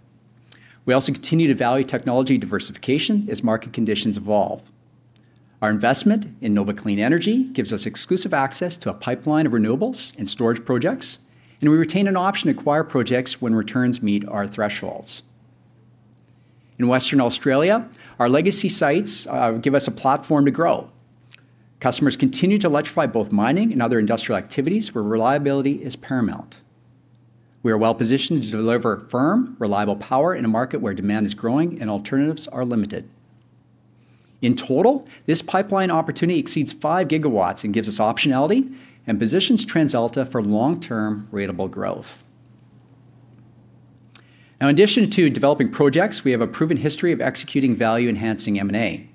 We also continue to value technology diversification as market conditions evolve. Our investment in Nova Clean Energy gives us exclusive access to a pipeline of renewables and storage projects and we retain an option to acquire projects when returns meet our thresholds. In Western Australia, our legacy sites give us a platform to grow. Customers continue to electrify both mining and other industrial activities where reliability is paramount. We are well-positioned to deliver firm, reliable power in a market where demand is growing and alternatives are limited. In total, this pipeline opportunity exceeds 5 GW and gives us optionality and positions TransAlta for long-term ratable growth. Now, in addition to developing projects, we have a proven history of executing value-enhancing M&A.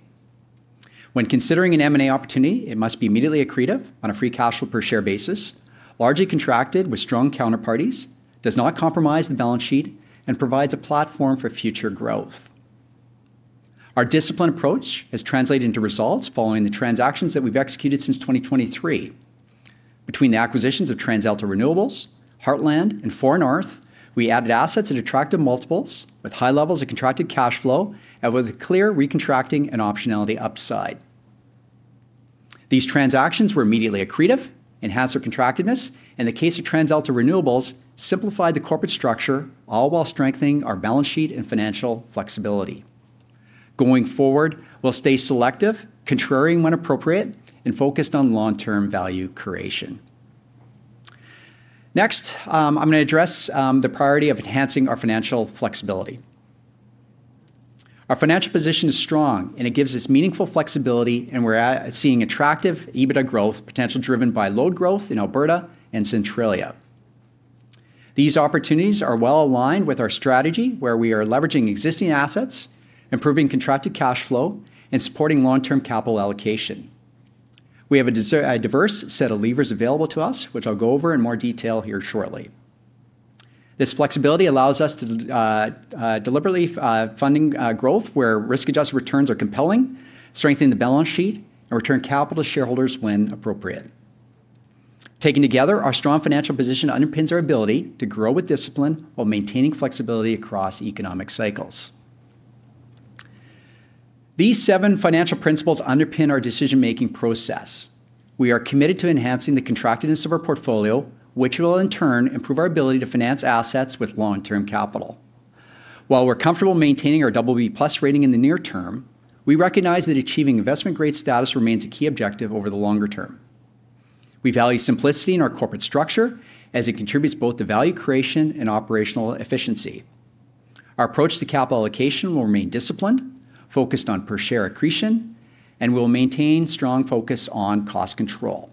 When considering an M&A opportunity, it must be immediately accretive on a free cash flow per share basis, largely contracted with strong counterparties, does not compromise the balance sheet and provides a platform for future growth. Our disciplined approach has translated into results following the transactions that we've executed since 2023. Between the acquisitions of TransAlta Renewables, Heartland and Far North, we added assets at attractive multiples with high levels of contracted cash flow and with clear recontracting and optionality upside. These transactions were immediately accretive, enhanced their contractedness and in the case of TransAlta Renewables simplified the corporate structure, all while strengthening our balance sheet and financial flexibility. Going forward, we'll stay selective, contrarian when appropriate and focused on long-term value creation. Next, I'm gonna address the priority of enhancing our financial flexibility. Our financial position is strong and it gives us meaningful flexibility and we're seeing attractive EBITDA growth potential driven by load growth in Alberta and Centralia. These opportunities are well-aligned with our strategy, where we are leveraging existing assets, improving contracted cash flow and supporting long-term capital allocation. We have a diverse set of levers available to us, which I'll go over in more detail here shortly. This flexibility allows us to deliberately fund growth where risk-adjusted returns are compelling, strengthen the balance sheet and return capital to shareholders when appropriate. Taken together, our strong financial position underpins our ability to grow with discipline while maintaining flexibility across economic cycles. These seven financial principles underpin our decision-making process. We are committed to enhancing the contractedness of our portfolio, which will in turn improve our ability to finance assets with long-term capital. While we're comfortable maintaining our BB+ rating in the near term, we recognize that achieving investment-grade status remains a key objective over the longer term. We value simplicity in our corporate structure as it contributes both to value creation and operational efficiency. Our approach to capital allocation will remain disciplined, focused on per share accretion and we'll maintain strong focus on cost control.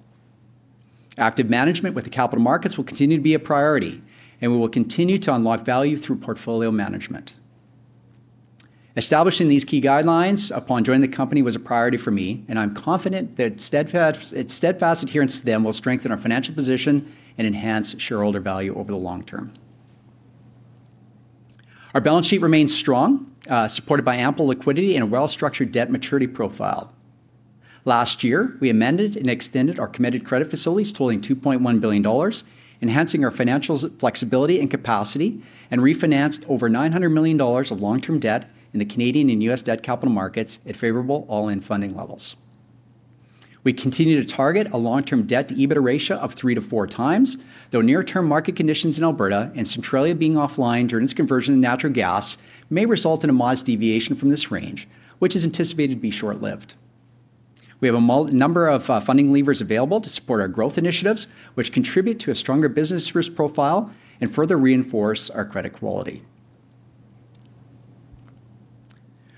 Active management with the capital markets will continue to be a priority and we will continue to unlock value through portfolio management. Establishing these key guidelines upon joining the company was a priority for me and I'm confident that its steadfast adherence to them will strengthen our financial position and enhance shareholder value over the long term. Our balance sheet remains strong, supported by ample liquidity and a well-structured debt maturity profile. Last year, we amended and extended our committed credit facilities totaling 2.1 billion dollars, enhancing our financial flexibility and capacity and refinanced over 900 million dollars of long-term debt in the Canadian and U.S. debt capital markets at favorable all-in funding levels. We continue to target a long-term debt-to-EBITDA ratio of 3-4 times, though near-term market conditions in Alberta and Centralia being offline during its conversion to natural gas may result in a modest deviation from this range, which is anticipated to be short-lived. We have a multitude of funding levers available to support our growth initiatives, which contribute to a stronger business risk profile and further reinforce our credit quality.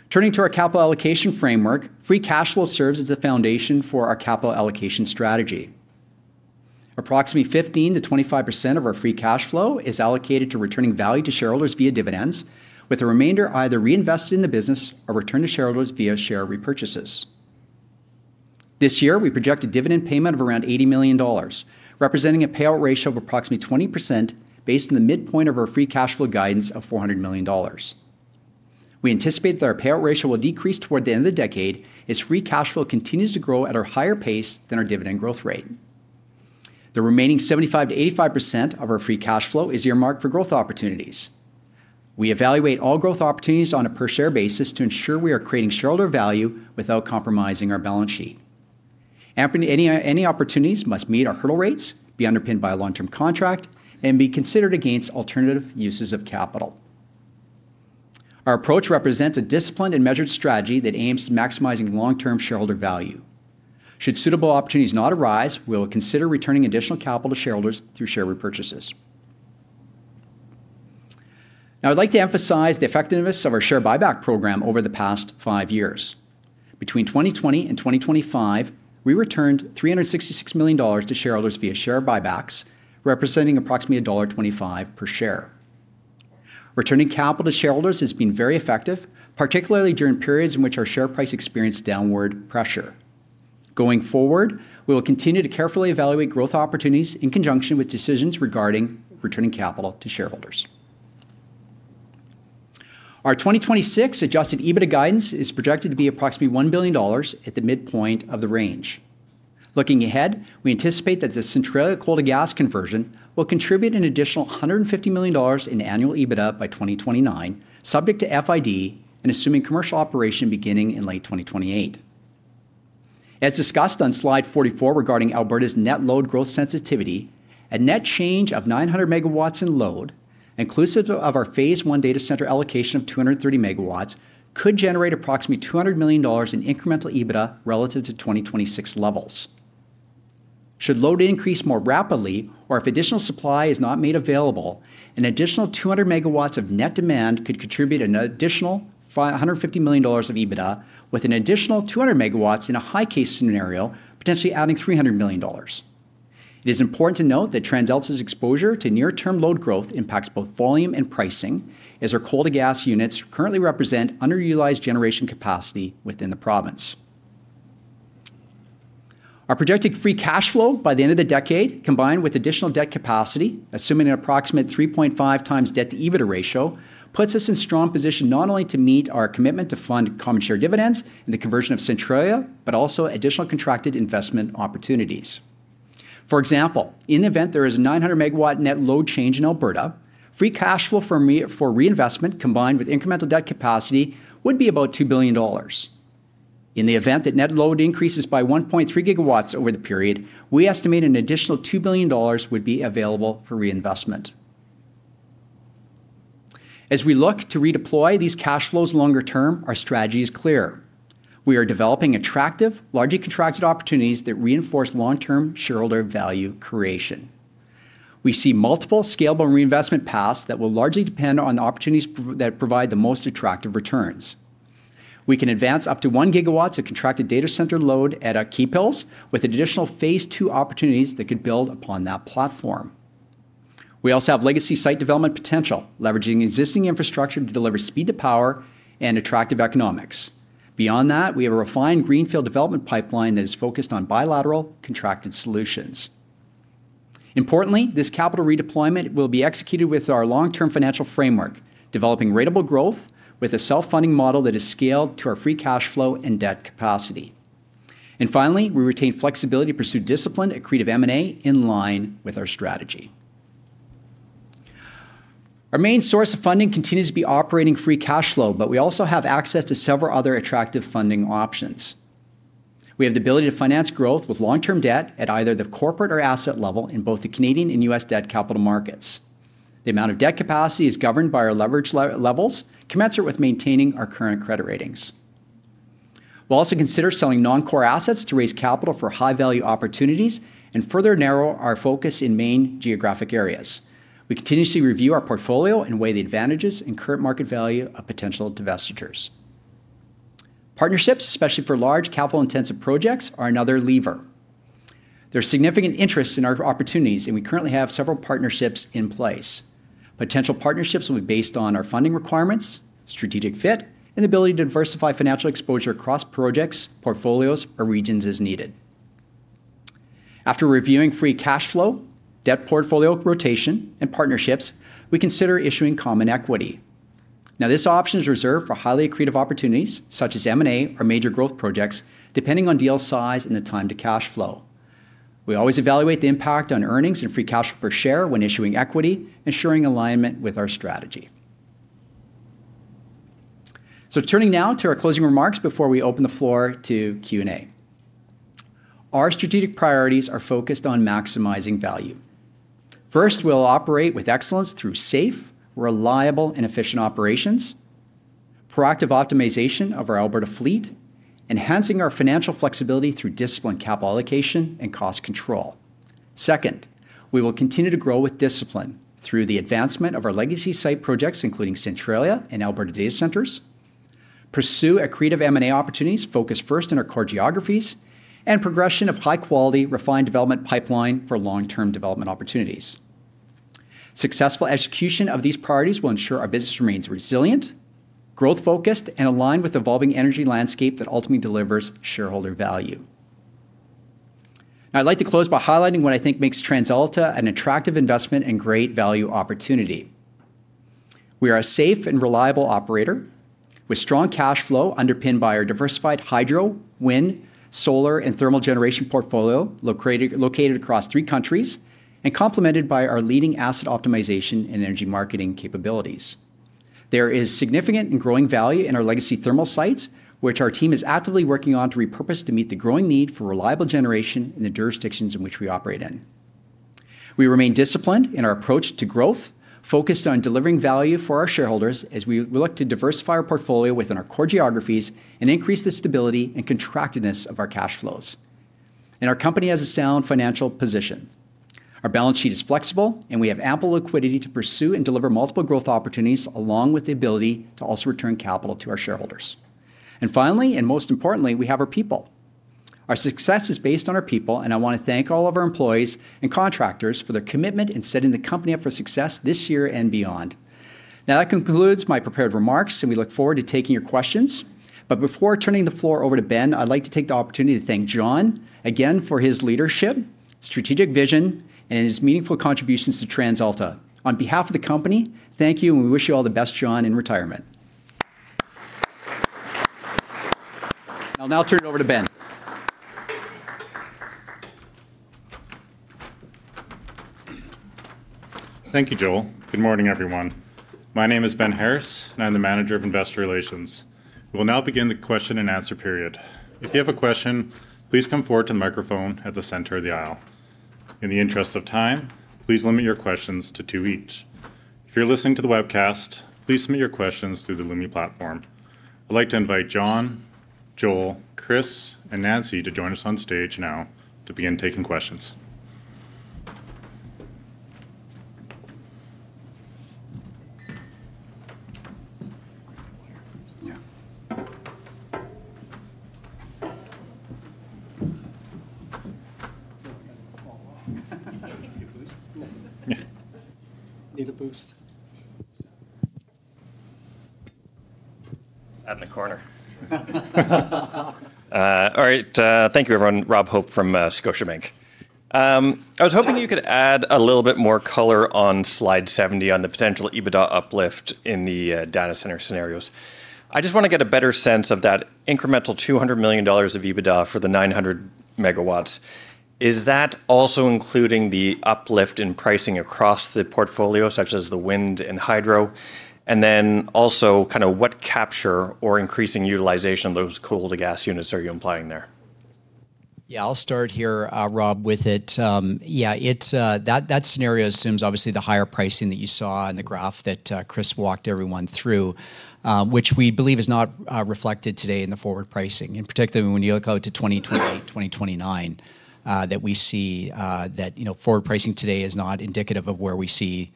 Turning to our capital allocation framework, Free Cash Flow serves as the foundation for our capital allocation strategy. Approximately 15%-25% of our Free Cash Flow is allocated to returning value to shareholders via dividends, with the remainder either reinvested in the business or returned to shareholders via share repurchases. This year, we project a dividend payment of around 80 million dollars, representing a payout ratio of approximately 20% based on the midpoint of our Free Cash Flow guidance of 400 million dollars. We anticipate that our payout ratio will decrease toward the end of the decade as Free Cash Flow continues to grow at a higher pace than our dividend growth rate. The remaining 75%-85% of our free cash flow is earmarked for growth opportunities. We evaluate all growth opportunities on a per-share basis to ensure we are creating shareholder value without compromising our balance sheet. Any opportunities must meet our hurdle rates, be underpinned by a long-term contract and be considered against alternative uses of capital. Our approach represents a disciplined and measured strategy that aims to maximizing long-term shareholder value. Should suitable opportunities not arise, we will consider returning additional capital to shareholders through share repurchases. Now I'd like to emphasize the effectiveness of our share buyback program over the past 5 years. Between 2020 and 2025, we returned 366 million dollars to shareholders via share buybacks, representing approximately dollar 1.25 per share. Returning capital to shareholders has been very effective, particularly during periods in which our share price experienced downward pressure. Going forward, we will continue to carefully evaluate growth opportunities in conjunction with decisions regarding returning capital to shareholders. Our 2026 adjusted EBITDA guidance is projected to be approximately 1 billion dollars at the midpoint of the range. Looking ahead, we anticipate that the Centralia coal-to-gas conversion will contribute an additional 150 million dollars in annual EBITDA by 2029, subject to FID and assuming commercial operation beginning in late 2028. As discussed on slide 44 regarding Alberta's net load growth sensitivity, a net change of 900 MW in load, inclusive of our phase I data center allocation of 230 MW, could generate approximately 200 million dollars in incremental EBITDA relative to 2026 levels. Should load increase more rapidly or if additional supply is not made available, an additional 200 MW of net demand could contribute an additional 150 million dollars of EBITDA, with an additional 200 MW in a high-case scenario potentially adding 300 million dollars. It is important to note that TransAlta's exposure to near-term load growth impacts both volume and pricing, as our coal-to-gas units currently represent underutilized generation capacity within the province. Our projected free cash flow by the end of the decade, combined with additional debt capacity, assuming an approximate 3.5x debt-to-EBITDA ratio, puts us in strong position not only to meet our commitment to fund common share dividends and the conversion of Centralia but also additional contracted investment opportunities. For example, in the event there is a 900 MW net load change in Alberta, free cash flow for reinvestment combined with incremental debt capacity would be about 2 billion dollars. In the event that net load increases by 1.3 GW over the period, we estimate an additional 2 billion dollars would be available for reinvestment. As we look to redeploy these cash flows longer term, our strategy is clear. We are developing attractive, largely contracted opportunities that reinforce long-term shareholder value creation. We see multiple scalable reinvestment paths that will largely depend on the opportunities that provide the most attractive returns. We can advance up to 1 GW of contracted data center load at Keephills with additional phase II opportunities that could build upon that platform. We also have legacy site development potential, leveraging existing infrastructure to deliver speed to power and attractive economics. Beyond that, we have a refined greenfield development pipeline that is focused on bilateral contracted solutions. Importantly, this capital redeployment will be executed with our long-term financial framework, developing ratable growth with a self-funding model that is scaled to our Free Cash Flow and debt capacity. Finally, we retain flexibility to pursue disciplined, accretive M&A in line with our strategy. Our main source of funding continues to be operating Free Cash Flow but we also have access to several other attractive funding options. We have the ability to finance growth with long-term debt at either the corporate or asset level in both the Canadian and U.S. debt capital markets. The amount of debt capacity is governed by our leverage levels, commensurate with maintaining our current credit ratings. We'll also consider selling non-core assets to raise capital for high-value opportunities and further narrow our focus in main geographic areas. We continuously review our portfolio and weigh the advantages and current market value of potential divestitures. Partnerships, especially for large capital-intensive projects, are another lever. There's significant interest in our opportunities and we currently have several partnerships in place. Potential partnerships will be based on our funding requirements, strategic fit and the ability to diversify financial exposure across projects, portfolios or regions as needed. After reviewing free cash flow, debt portfolio rotation and partnerships, we consider issuing common equity. Now, this option is reserved for highly accretive opportunities such as M&A or major growth projects, depending on deal size and the time to cash flow. We always evaluate the impact on earnings and free cash flow per share when issuing equity, ensuring alignment with our strategy. Turning now to our closing remarks before we open the floor to Q&A. Our strategic priorities are focused on maximizing value. First, we'll operate with excellence through safe, reliable and efficient operations, proactive optimization of our Alberta fleet, enhancing our financial flexibility through disciplined capital allocation and cost control. Second, we will continue to grow with discipline through the advancement of our legacy site projects, including Centralia and Alberta Data Centers, pursue accretive M&A opportunities focused first in our core geographies and progression of high-quality refined development pipeline for long-term development opportunities. Successful execution of these priorities will ensure our business remains resilient, growth-focused and aligned with evolving energy landscape that ultimately delivers shareholder value. Now I'd like to close by highlighting what I think makes TransAlta an attractive investment and great value opportunity. We are a safe and reliable operator with strong cash flow underpinned by our diversified hydro, wind, solar and thermal generation portfolio, located across three countries and complemented by our leading asset optimization and energy marketing capabilities. There is significant and growing value in our legacy thermal sites, which our team is actively working on to repurpose to meet the growing need for reliable generation in the jurisdictions in which we operate in. We remain disciplined in our approach to growth, focused on delivering value for our shareholders as we look to diversify our portfolio within our core geographies and increase the stability and contractedness of our cash flows. Our company has a sound financial position. Our balance sheet is flexible and we have ample liquidity to pursue and deliver multiple growth opportunities along with the ability to also return capital to our shareholders. Finally and most importantly, we have our people. Our success is based on our people and I want to thank all of our employees and contractors for their commitment in setting the company up for success this year and beyond. Now that concludes my prepared remarks and we look forward to taking your questions. Before turning the floor over to Ben, I'd like to take the opportunity to thank John again for his leadership, strategic vision and his meaningful contributions to TransAlta. On behalf of the company, thank you and we wish you all the best, John, in retirement. I'll now turn it over to Ben. Thank you, Joel. Good morning, everyone. My name is Ben Harris and I'm the Manager of Investor Relations. We will now begin the question and answer period. If you have a question, please come forward to the microphone at the center of the aisle. In the interest of time, please limit your questions to two each. If you're listening to the webcast, please submit your questions through the Lumi platform. I'd like to invite John, Joel, Chris and Nancy to join us on stage now to begin taking questions. Need a boost. It's out in the corner. All right, thank you, everyone. Robert Hope from Scotiabank. I was hoping you could add a little bit more color on slide 70 on the potential EBITDA uplift in the data center scenarios. I just want to get a better sense of that incremental 200 million dollars of EBITDA for the 900 MW. Is that also including the uplift in pricing across the portfolio, such as the wind and hydro? Then also kind of what capture or increasing utilization of those coal-to-gas units are you implying there? Yeah, I'll start here, Rob, with it. That scenario assumes obviously the higher pricing that you saw in the graph that Chris walked everyone through, which we believe is not reflected today in the forward pricing. Particularly when you look out to 2025, 2029, that you know, forward pricing today is not indicative of where we see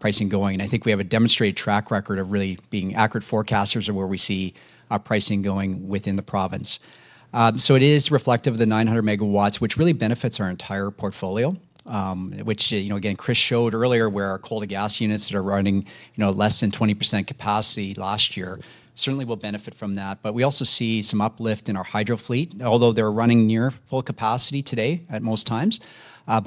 pricing going. I think we have a demonstrated track record of really being accurate forecasters of where we see our pricing going within the province. It is reflective of the 900 MW, which really benefits our entire portfolio, which, you know, again, Chris showed earlier where our coal-to-gas units that are running, you know, less than 20% capacity last year certainly will benefit from that. We also see some uplift in our hydro fleet, although they're running near full capacity today at most times.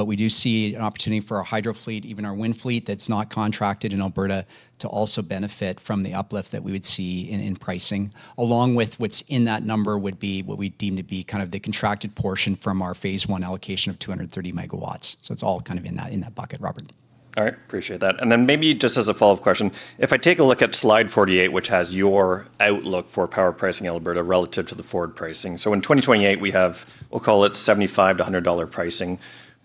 We do see an opportunity for our hydro fleet, even our wind fleet that's not contracted in Alberta, to also benefit from the uplift that we would see in pricing. Along with what's in that number would be what we deem to be kind of the contracted portion from our phase I allocation of 230 MW. It's all kind of in that bucket, Robert. All right. Appreciate that. Maybe just as a follow-up question, if I take a look at slide 48, which has your outlook for power pricing Alberta relative to the forward pricing. In 2028, we have, we'll call it 75-100 dollar pricing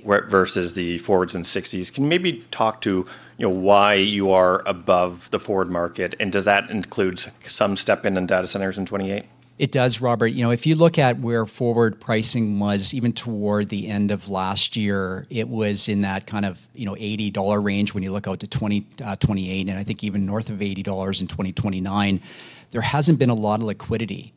whereas versus the forwards in 60s. Can you maybe talk to, you know, why you are above the forward market and does that include some step in data centers in 2028? It does, Robert. You know, if you look at where forward pricing was even toward the end of last year, it was in that kind of, you know, 80 dollar range when you look out to 2028 and I think even north of 80 dollars in 2029. There hasn't been a lot of liquidity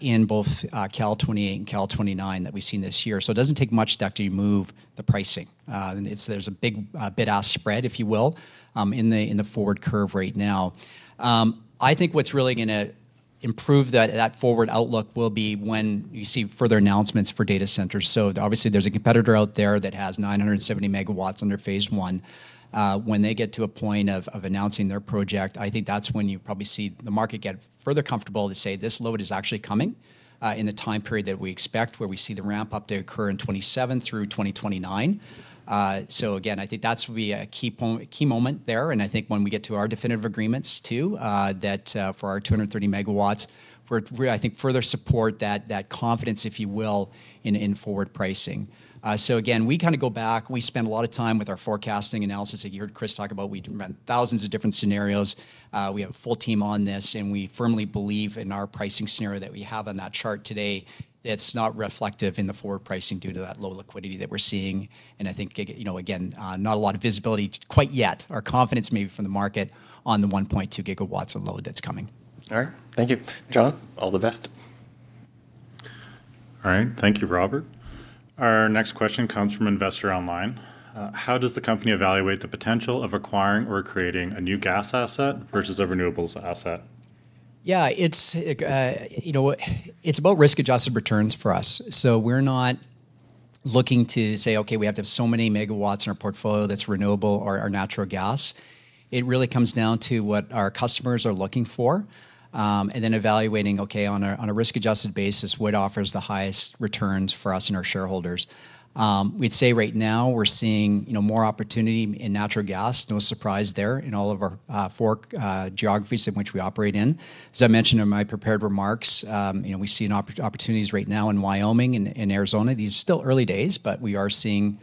in both Cal '28 and Cal '29 that we've seen this year. It doesn't take much to actually move the pricing. And there's a big bid-ask spread, if you will, in the forward curve right now. I think what's really gonna improve that forward outlook will be when you see further announcements for data centers. Obviously there's a competitor out there that has 970 MW under phase I. When they get to a point of announcing their project, I think that's when you probably see the market get further comfortable to say this load is actually coming in the time period that we expect, where we see the ramp up to occur in 2027 through 2029. I think that will be a key moment there and I think when we get to our definitive agreements too, that for our 230 MW, I think further support that confidence, if you will, in forward pricing. We kind of go back. We spend a lot of time with our forecasting analysis that you heard Chris talk about. We run thousands of different scenarios. We have a full team on this and we firmly believe in our pricing scenario that we have on that chart today. It's not reflective in the forward pricing due to that low liquidity that we're seeing. I think you know, again, not a lot of visibility quite yet or confidence maybe from the market on the 1.2 GW of load that's coming. All right. Thank you. Joel, all the best. All right. Thank you, Robert. Our next question comes from investor online. How does the company evaluate the potential of acquiring or creating a new gas asset versus a renewables asset? Yeah. It's, you know what? It's about risk-adjusted returns for us. We're not looking to say, "Okay, we have to have so many megawatts in our portfolio that's renewable or natural gas." It really comes down to what our customers are looking for and then evaluating, okay, on a risk-adjusted basis, what offers the highest returns for us and our shareholders. We'd say right now we're seeing, you know, more opportunity in natural gas, no surprise there, in all of our four geographies in which we operate in. As I mentioned in my prepared remarks, you know, we're seeing opportunities right now in Wyoming and Arizona. These are still early days but we are seeing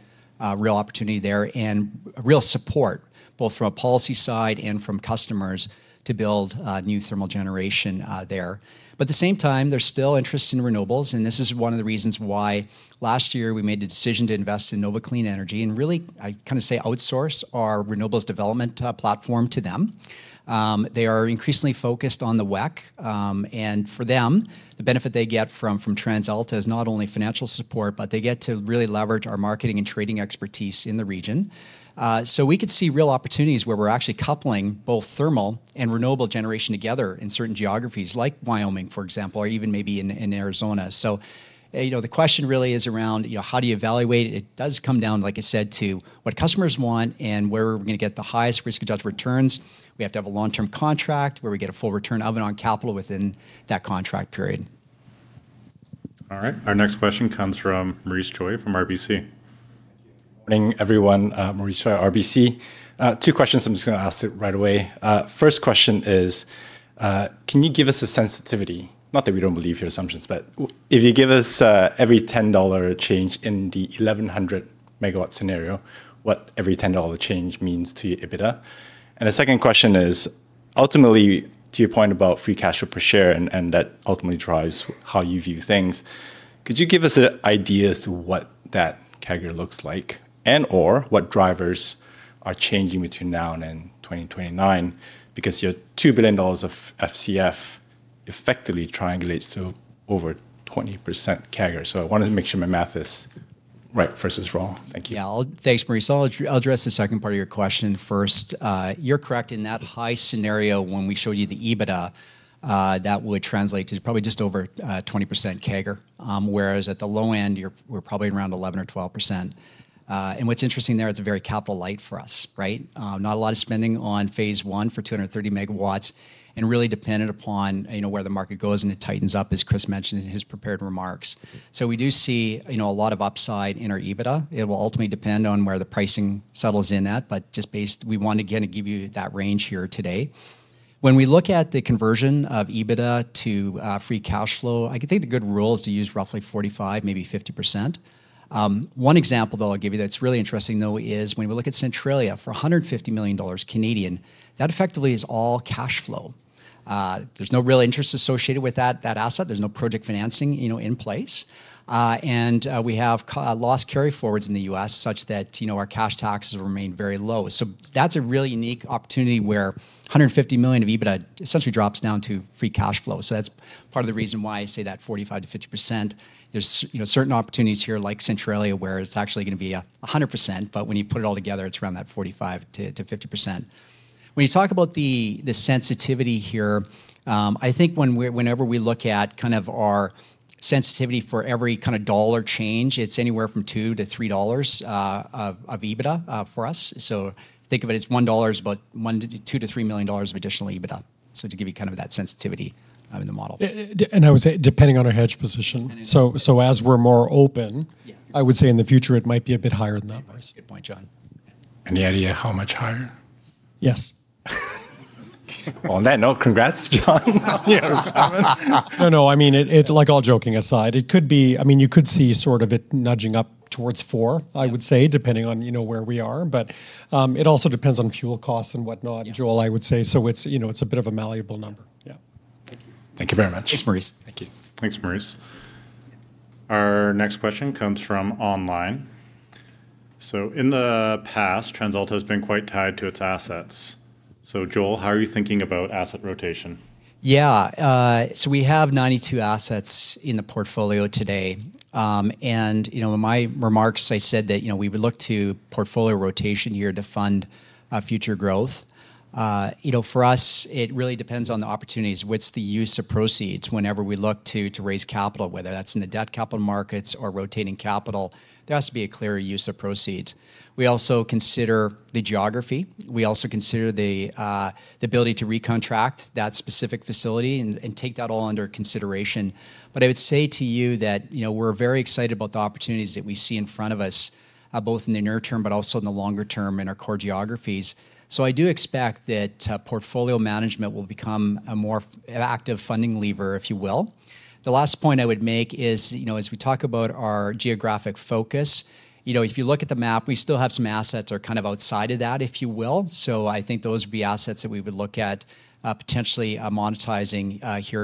real opportunity there and a real support both from a policy side and from customers to build new thermal generation there. At the same time, there's still interest in renewables and this is one of the reasons why last year we made the decision to invest in Nova Clean Energy and really, I kinda say outsource our renewables development platform to them. They are increasingly focused on the WECC and for them, the benefit they get from TransAlta is not only financial support but they get to really leverage our marketing and trading expertise in the region. So we could see real opportunities where we're actually coupling both thermal and renewable generation together in certain geographies like Wyoming, for example or even maybe in Arizona. You know, the question really is around how do you evaluate it? It does come down, like I said, to what customers want and where we're gonna get the highest risk-adjusted returns. We have to have a long-term contract where we get a full return of it on capital within that contract period. All right. Our next question comes from Maurice Choy from RBC. Morning, everyone. Maurice Choy, RBC. Two questions I'm just gonna ask it right away. First question is, can you give us a sensitivity, not that we don't believe your assumptions but if you give us, every 10 dollar change in the 1,100 MW scenario, what every 10 dollar change means to EBITDA? The second question is, ultimately, to your point about free cash flow per share and that ultimately drives how you view things, could you give us an idea as to what that CAGR looks like and/or what drivers are changing between now and then 2029? Because your 2 billion dollars of FCF effectively triangulates to over 20% CAGR. I wanted to make sure my math is right versus wrong. Thank you. Thanks, Maurice. I'll address the second part of your question first. You're correct. In that high scenario when we showed you the EBITDA, that would translate to probably just over 20% CAGR, whereas at the low end, we're probably around 11% or 12%. What's interesting there, it's very capital light for us, right? Not a lot of spending on phase I for 230 MW and really dependent upon, you know, where the market goes and it tightens up, as Chris mentioned in his prepared remarks. We do see, you know, a lot of upside in our EBITDA. It will ultimately depend on where the pricing settles in at. We want, again, to give you that range here today. When we look at the conversion of EBITDA to free cash flow, I think the good rule is to use roughly 45, maybe 50%. One example that I'll give you that's really interesting, though, is when we look at Centralia for 150 million Canadian dollars, that effectively is all cash flow. There's no real interest associated with that asset. There's no project financing, you know, in place. We have loss carryforwards in the U.S. such that, you know, our cash taxes remain very low. That's a really unique opportunity where 150 million of EBITDA essentially drops down to free cash flow. That's part of the reason why I say that 45%-50%. There's you know, certain opportunities here like Centralia where it's actually gonna be 100% but when you put it all together, it's around that 45%-50%. When you talk about the sensitivity here, I think whenever we look at kind of our sensitivity for every kinda dollar change, it's anywhere from 2-3 dollars of EBITDA for us. So think of it as 1 dollar is about 2 million-3 million dollars of additional EBITDA, so to give you kind of that sensitivity. I mean, the model. I would say depending on our hedge position. As we're more open. I would say in the future, it might be a bit higher than that, Maurice. That's a good point, John. Any idea how much higher? Yes. Well, on that note, congrats, John. Yes. No, no, I mean, it, like, all joking aside, it could be. I mean, you could see sort of it nudging up towards four, I would say, depending on, you know, where we are. It also depends on fuel costs and whatnot. Joel, I would say. It's, you know, it's a bit of a malleable number. Yeah. Thank you very much. Thanks, Maurice. Thank you. Thanks, Maurice. Our next question comes from online. In the past, TransAlta has been quite tied to its assets. Joel, how are you thinking about asset rotation? Yeah. So we have 92 assets in the portfolio today. You know, in my remarks, I said that, you know, we would look to portfolio rotation here to fund future growth. You know, for us, it really depends on the opportunities. What's the use of proceeds whenever we look to raise capital, whether that's in the debt capital markets or rotating capital, there has to be a clear use of proceeds. We also consider the geography. We also consider the ability to recontract that specific facility and take that all under consideration. I would say to you that, you know, we're very excited about the opportunities that we see in front of us, both in the near term but also in the longer term in our core geographies. I do expect that portfolio management will become a more active funding lever, if you will. The last point I would make is, you know, as we talk about our geographic focus, you know, if you look at the map, we still have some assets that are kind of outside of that, if you will. I think those would be assets that we would look at potentially monetizing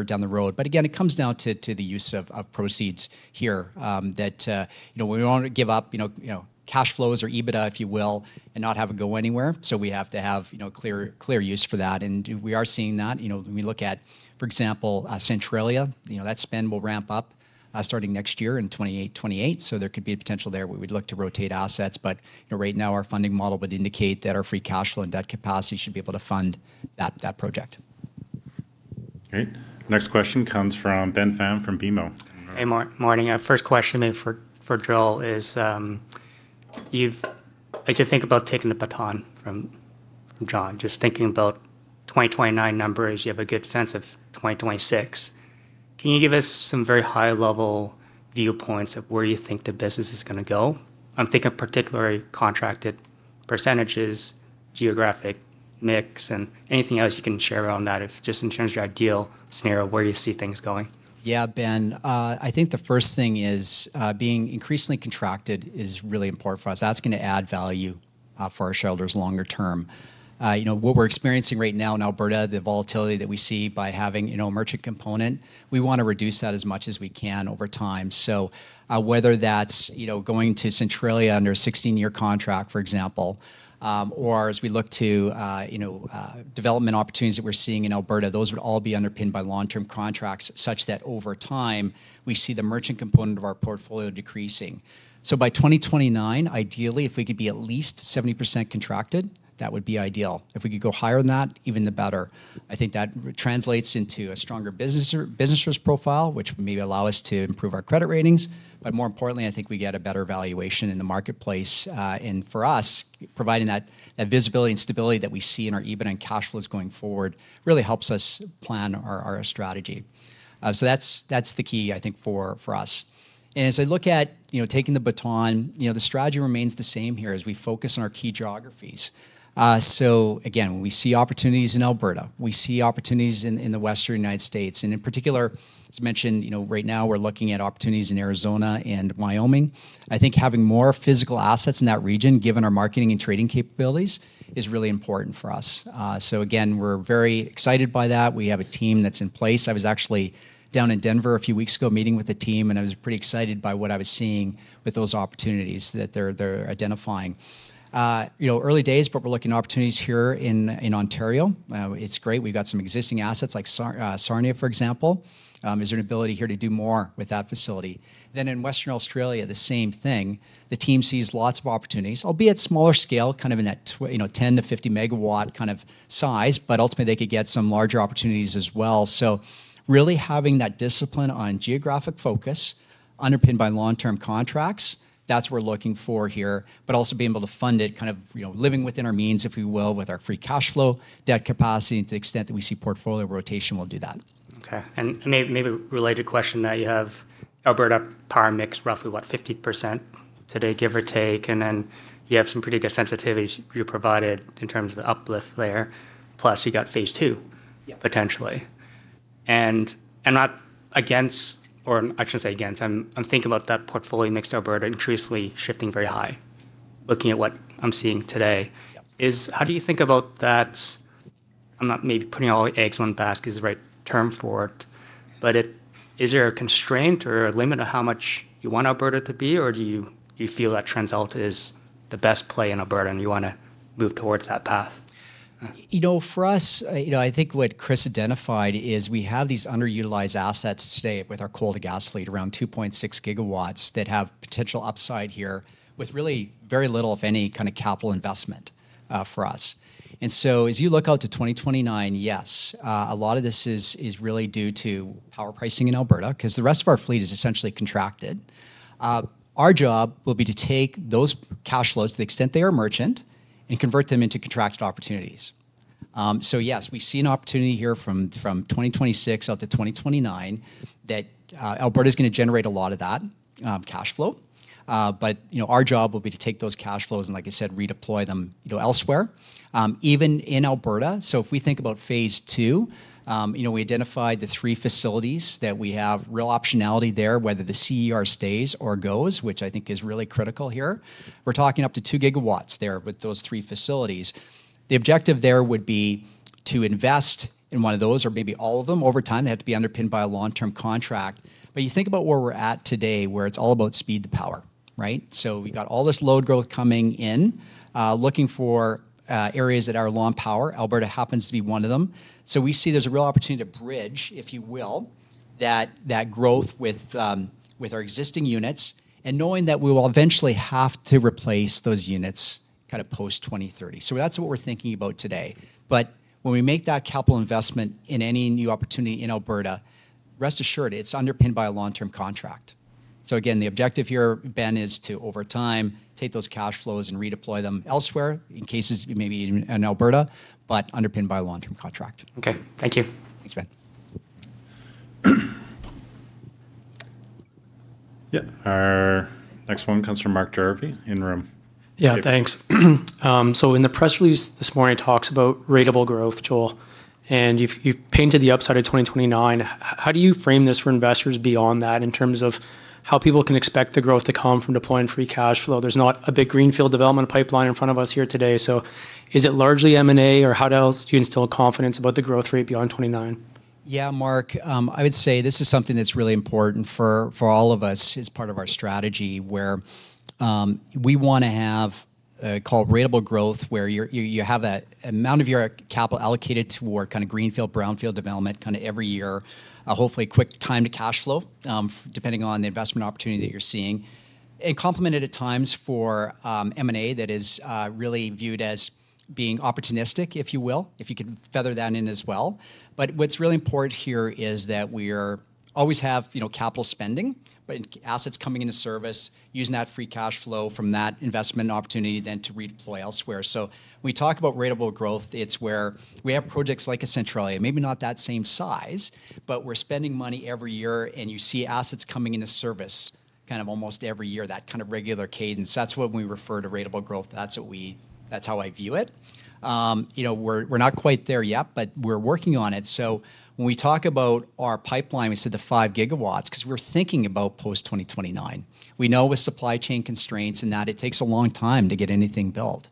down the road. But again, it comes down to the use of proceeds here that you know we don't want to give up you know cash flows or EBITDA, if you will and not have it go anywhere. We have to have you know clear use for that and we are seeing that. You know, when we look at, for example, Centralia, you know, that spend will ramp up starting next year in 2028, so there could be a potential there where we'd look to rotate assets. You know, right now, our funding model would indicate that our free cash flow and debt capacity should be able to fund that project. Great. Next question comes from Ben Pham from BMO. Morning. First question is for Joel. As you think about taking the baton from John, just thinking about 2029 numbers, you have a good sense of 2026. Can you give us some very high-level viewpoints of where you think the business is gonna go? I'm thinking particularly contracted percentages, geographic mix and anything else you can share around that, just in terms of your ideal scenario, where you see things going. Yeah, Ben. I think the first thing is, being increasingly contracted is really important for us. That's gonna add value, for our shareholders longer term. You know, what we're experiencing right now in Alberta, the volatility that we see by having, you know, a merchant component, we wanna reduce that as much as we can over time. Whether that's, you know, going to Centralia under a 16-year contract, for example or as we look to, you know, development opportunities that we're seeing in Alberta, those would all be underpinned by long-term contracts such that over time, we see the merchant component of our portfolio decreasing. By 2029, ideally, if we could be at least 70% contracted, that would be ideal. If we could go higher than that, even better. I think that translates into a stronger business risk profile, which would maybe allow us to improve our credit ratings. More importantly, I think we get a better valuation in the marketplace and for us, providing that visibility and stability that we see in our EBITDA and cash flows going forward really helps us plan our strategy. That's the key, I think, for us. As I look at, you know, taking the baton, you know, the strategy remains the same here as we focus on our key geographies. Again, we see opportunities in Alberta. We see opportunities in the Western United States. In particular, as mentioned, you know, right now we're looking at opportunities in Arizona and Wyoming. I think having more physical assets in that region, given our marketing and trading capabilities, is really important for us. Again, we're very excited by that. We have a team that's in place. I was actually down in Denver a few weeks ago meeting with the team and I was pretty excited by what I was seeing with those opportunities that they're identifying. You know, early days but we're looking at opportunities here in Ontario. It's great. We've got some existing assets like Sarnia, for example. There's an ability here to do more with that facility. In Western Australia, the same thing. The team sees lots of opportunities, albeit smaller scale, kind of in that 10-50 MW kind of size but ultimately they could get some larger opportunities as well. Really having that discipline on geographic focus underpinned by long-term contracts, that's what we're looking for here. Also being able to fund it, kind of, you know, living within our means, if you will, with our Free Cash Flow, debt capacity and to the extent that we see portfolio rotation, we'll do that. Okay. Maybe a related question that you have Alberta power mix roughly, what, 50% today, give or take and then you have some pretty good sensitivities you provided in terms of the uplift there, plus you got phase II potentially. I'm not against. I shouldn't say against. I'm thinking about that portfolio mix to Alberta increasingly shifting very high, looking at what I'm seeing today. How do you think about that? I'm not maybe putting all the eggs in one basket is the right term for it but is there a constraint or a limit of how much you want Alberta to be or do you feel that TransAlta is the best play in Alberta and you wanna move towards that path? You know, for us, you know, I think what Chris identified is we have these underutilized assets today with our coal-to-gas fleet, around 2.6 GW, that have potential upside here with really very little, if any, kind of capital investment, for us. As you look out to 2029, yes, a lot of this is really due to power pricing in Alberta, 'cause the rest of our fleet is essentially contracted. Our job will be to take those cash flows to the extent they are merchant and convert them into contracted opportunities. Yes, we see an opportunity here from 2026 out to 2029 that Alberta's gonna generate a lot of that cash flow. You know, our job will be to take those cash flows and, like I said, redeploy them, you know, elsewhere, even in Alberta. If we think about phase II, you know, we identified the three facilities that we have real optionality there, whether the CER stays or goes, which I think is really critical here. We're talking up to 2 GW there with those three facilities. The objective there would be to invest in one of those or maybe all of them over time. They have to be underpinned by a long-term contract. You think about where we're at today, where it's all about speed to power, right? We got all this load growth coming in, looking for areas that are low on power. Alberta happens to be one of them. We see there's a real opportunity to bridge, if you will, that growth with our existing units and knowing that we will eventually have to replace those units kind of post-2030. That's what we're thinking about today. When we make that capital investment in any new opportunity in Alberta, rest assured it's underpinned by a long-term contract. Again, the objective here, Ben, is to, over time, take those cash flows and redeploy them elsewhere in cases maybe even in Alberta but underpinned by a long-term contract. Okay. Thank you. Thanks, Ben. Yeah. Our next one comes from Mark Jarvi in room. Yeah, thanks. In the press release this morning, it talks about ratable growth, Joel and you've painted the upside of 2029. How do you frame this for investors beyond that in terms of how people can expect the growth to come from deploying Free Cash Flow? There's not a big greenfield development pipeline in front of us here today. Is it largely M&A or how else do you instill confidence about the growth rate beyond 2029? Yeah, Mark, I would say this is something that's really important for all of us as part of our strategy, where we wanna have call it ratable growth, where you have a amount of your capital allocated toward kinda greenfield, brownfield development kinda every year. A hopefully quick time to cash flow, depending on the investment opportunity that you're seeing. Complemented at times for M&A that is really viewed as being opportunistic, if you will, if you can feather that in as well. What's really important here is that we always have, you know, capital spending but assets coming into service, using that free cash flow from that investment opportunity then to redeploy elsewhere. When we talk about ratable growth, it's where we have projects like a Centralia, maybe not that same size but we're spending money every year and you see assets coming into service kind of almost every year, that kind of regular cadence. That's when we refer to ratable growth. That's how I view it. You know, we're not quite there yet but we're working on it. When we talk about our pipeline, we said the 5 GW, 'cause we're thinking about post-2029. We know with supply chain constraints and that, it takes a long time to get anything built.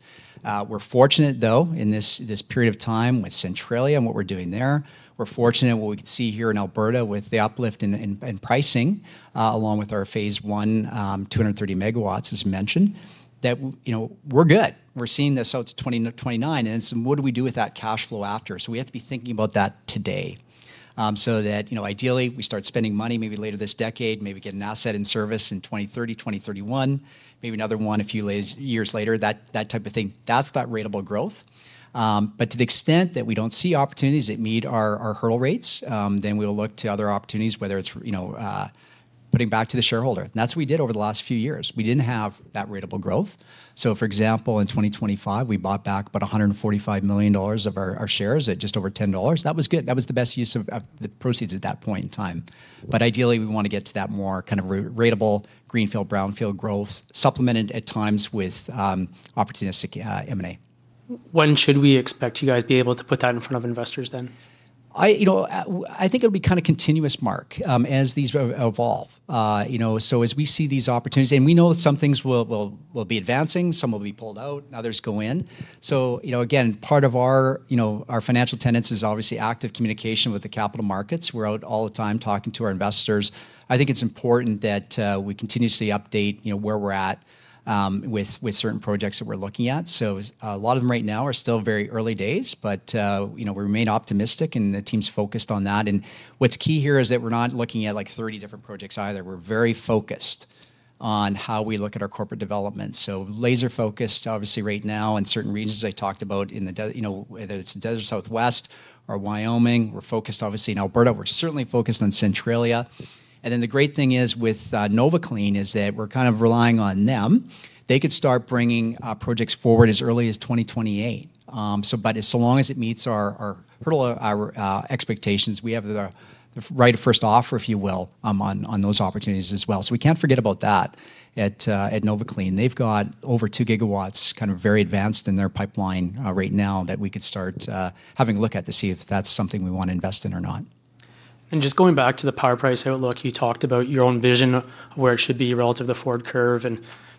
We're fortunate though in this period of time with Centralia and what we're doing there. We're fortunate with what we could see here in Alberta with the uplift in pricing, along with our phase I, 230 MW, as mentioned, we're good. We're seeing this out to 2029. What do we do with that cash flow after? We have to be thinking about that today, so that ideally, we start spending money maybe later this decade, maybe get an asset in service in 2030, 2031, maybe another one a few years later, that type of thing. That's that ratable growth. But to the extent that we don't see opportunities that meet our hurdle rates, then we'll look to other opportunities, whether it's putting back to the shareholder. That's what we did over the last few years. We didn't have that ratable growth. For example, in 2025, we bought back about 145 million dollars of our shares at just over 10 dollars. That was good. That was the best use of the proceeds at that point in time. Ideally, we wanna get to that more kind of ratable greenfield, brownfield growth, supplemented at times with opportunistic M&A. When should we expect you guys to be able to put that in front of investors then? You know, I think it'll be kinda continuous, Mark, as these evolve. You know, as we see these opportunities and we know some things will be advancing, some will be pulled out, others go in. You know, again, part of our, you know, our financial tenets is obviously active communication with the capital markets. We're out all the time talking to our investors. I think it's important that we continuously update, you know, where we're at with certain projects that we're looking at. A lot of them right now are still very early days but you know, we remain optimistic and the team's focused on that. What's key here is that we're not looking at, like, 30 different projects either. We're very focused on how we look at our corporate development. Laser-focused, obviously, right now in certain regions, as I talked about, you know, whether it's the desert Southwest or Wyoming. We're focused, obviously, in Alberta. We're certainly focused on Centralia. And then the great thing is with Nova Clean Energy is that we're kind of relying on them. They could start bringing projects forward as early as 2028. But as long as it meets our hurdle, our expectations, we have the right of first offer, if you will, on those opportunities as well. We can't forget about that at Nova Clean Energy. They've got over 2 GW kind of very advanced in their pipeline right now that we could start having a look at to see if that's something we wanna invest in or not. Just going back to the power price outlook, you talked about your own vision, where it should be relative to the forward curve.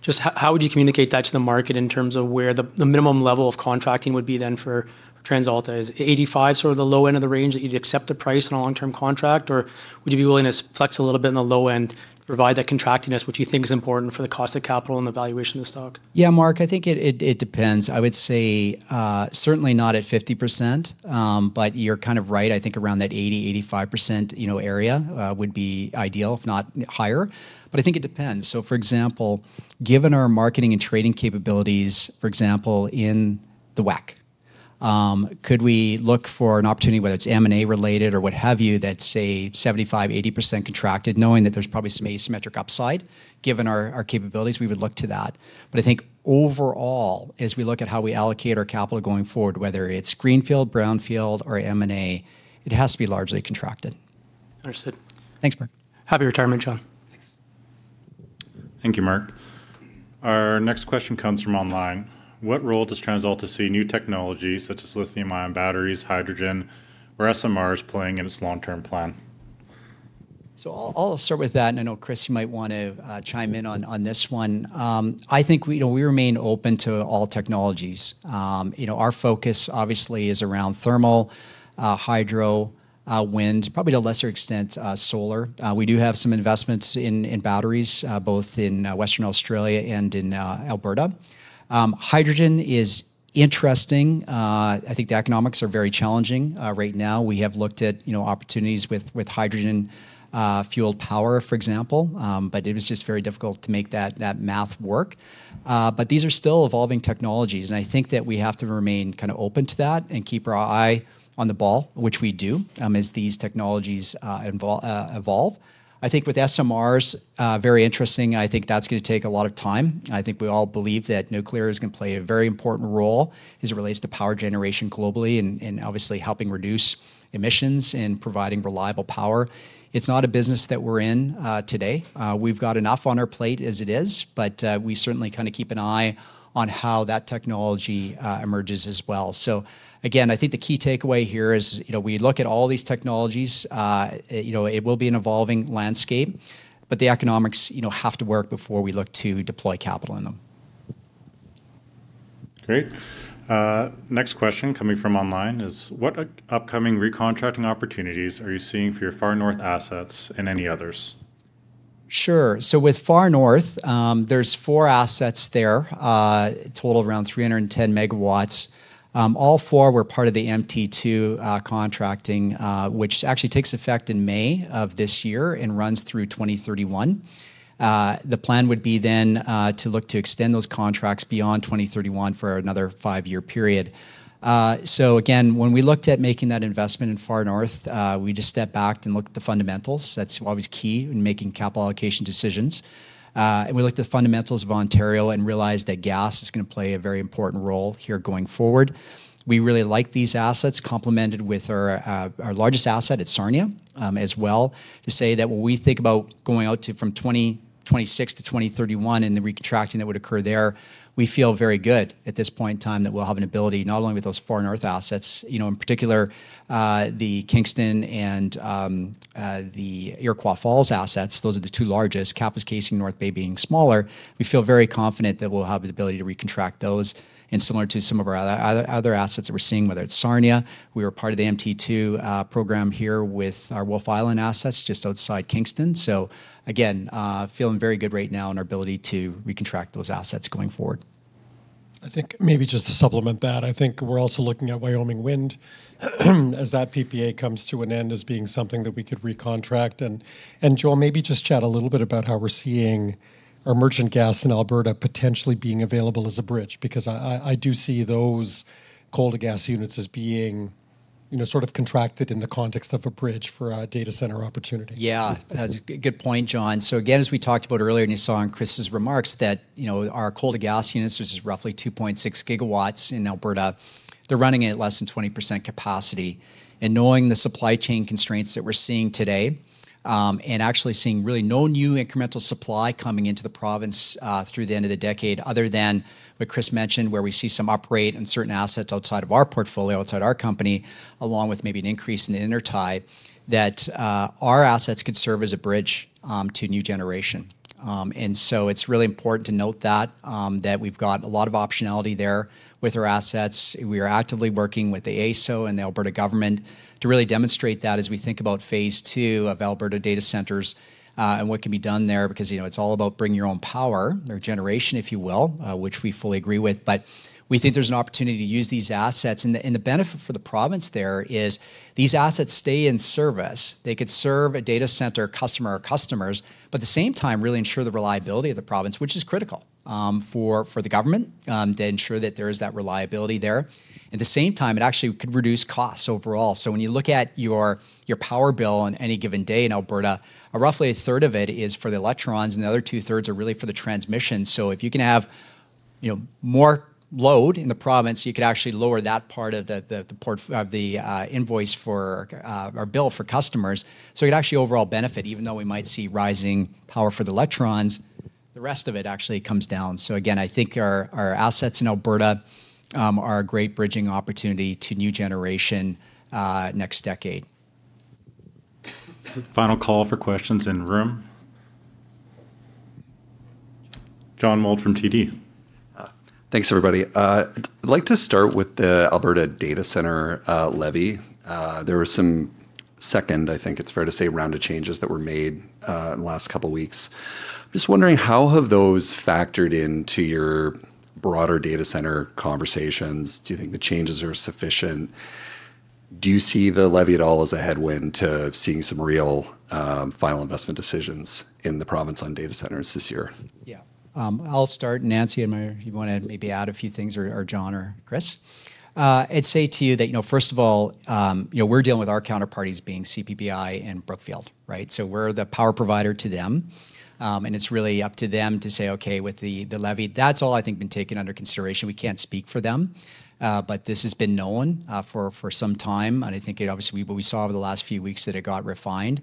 Just how would you communicate that to the market in terms of where the minimum level of contracting would be then for TransAlta? Is 85 sort of the low end of the range that you'd accept a price on a long-term contract or would you be willing to flex a little bit on the low end, provide that contractiness, which you think is important for the cost of capital and the valuation of the stock? Yeah, Mark, I think it depends. I would say certainly not at 50% but you're kind of right. I think around that 85%, you know, area would be ideal, if not higher. I think it depends. For example, given our marketing and trading capabilities, for example, in the WECC, could we look for an opportunity, whether it's M&A related or what have you, that's, say, 75%-80% contracted, knowing that there's probably some asymmetric upside? Given our capabilities, we would look to that. I think overall, as we look at how we allocate our capital going forward, whether it's greenfield, brownfield or M&A, it has to be largely contracted. Understood. Thanks, Mark. Happy retirement, John. Thanks. Thank you, Mark. Our next question comes from online. What role does TransAlta see new technology such as lithium-ion batteries, hydrogen or SMRs playing in its long-term plan? I'll start with that and I know Chris, you might want to chime in on this one. I think we, you know, we remain open to all technologies. You know, our focus obviously is around thermal, hydro, wind, probably to a lesser extent, solar. We do have some investments in batteries, both in Western Australia and in Alberta. Hydrogen is interesting. I think the economics are very challenging. Right now we have looked at, you know, opportunities with hydrogen fueled power, for example. It was just very difficult to make that math work. These are still evolving technologies and I think that we have to remain kind of open to that and keep our eye on the ball, which we do, as these technologies evolve. I think with SMRs very interesting. I think that's gonna take a lot of time. I think we all believe that nuclear is gonna play a very important role as it relates to power generation globally and obviously helping reduce emissions and providing reliable power. It's not a business that we're in today. We've got enough on our plate as it is but we certainly kind of keep an eye on how that technology emerges as well. Again, I think the key takeaway here is, you know, we look at all these technologies, you know, it will be an evolving landscape but the economics, you know, have to work before we look to deploy capital in them. Great. Next question coming from online is, what upcoming recontracting opportunities are you seeing for your Far North assets and any others? Sure. With Far North, there's four assets there, total of around 310 MW. All four were part of the MT2 contracting, which actually takes effect in May of this year and runs through 2031. The plan would be then to look to extend those contracts beyond 2031 for another five-year period. Again, when we looked at making that investment in Far North, we just stepped back and looked at the fundamentals. That's always key in making capital allocation decisions. We looked at the fundamentals of Ontario and realized that gas is gonna play a very important role here going forward. We really like these assets complemented with our largest asset at Sarnia as well, to say that when we think about going out to from 2026 to 2031 and the re-contracting that would occur there. We feel very good at this point in time that we'll have an ability not only with those Far North assets, you know, in particular the Kingston and the Iroquois Falls assets, those are the two largest, Kapuskasing, North Bay being smaller. We feel very confident that we'll have the ability to recontract those and similar to some of our other assets that we're seeing, whether it's Sarnia. We are part of the MT2 program here with our Wolfe Island assets just outside Kingston. Again, feeling very good right now in our ability to recontract those assets going forward. I think maybe just to supplement that, I think we're also looking at Wyoming Wind as that PPA comes to an end as being something that we could recontract and Joel, maybe just chat a little bit about how we're seeing our merchant gas in Alberta potentially being available as a bridge because I do see those coal-to-gas units as being, you know, sort of contracted in the context of a bridge for a data center opportunity. Yeah. That's a good point, John. Again, as we talked about earlier and you saw in Chris's remarks that, you know, our coal-to-gas units, which is roughly 2.6 GW in Alberta, they're running at less than 20% capacity. Knowing the supply chain constraints that we're seeing today and actually seeing really no new incremental supply coming into the province, through the end of the decade other than what Chris mentioned, where we see some operating certain assets outside of our portfolio, outside our company, along with maybe an increase in the intertie, that our assets could serve as a bridge to new generation. It's really important to note that we've got a lot of optionality there with our assets. We are actively working with the AESO and the Alberta government to really demonstrate that as we think about phase II of Alberta data centers and what can be done there because, you know, it's all about bring your own power or generation, if you will, which we fully agree with. We think there's an opportunity to use these assets and the benefit for the province there is these assets stay in service. They could serve a data center customer or customers but at the same time really ensure the reliability of the province, which is critical for the government to ensure that there is that reliability there. At the same time, it actually could reduce costs overall. When you look at your power bill on any given day in Alberta, roughly a third of it is for the electrons and the other two-thirds are really for the transmission. If you can have more load in the province, you could actually lower that part of the invoice or bill for customers. You'd actually overall benefit, even though we might see rising power for the electrons, the rest of it actually comes down. Again, I think our assets in Alberta are a great bridging opportunity to new generation next decade. Final call for questions in room. John Mould from TD. Thanks, everybody. I'd like to start with the Alberta data center levy. There were some second, I think it's fair to say, round of changes that were made in the last couple weeks. Just wondering how have those factored into your broader data center conversations? Do you think the changes are sufficient? Do you see the levy at all as a headwind to seeing some real final investment decisions in the province on data centers this year? I'll start, Nancy. You wanna maybe add a few things or John or Chris? I'd say to you that, you know, first of all, you know, we're dealing with our counterparties being CPPIB and Brookfield, right? So we're the power provider to them. And it's really up to them to say, "Okay, with the levy." That's all, I think, been taken under consideration. We can't speak for them but this has been known for some time and I think it obviously what we saw over the last few weeks that it got refined.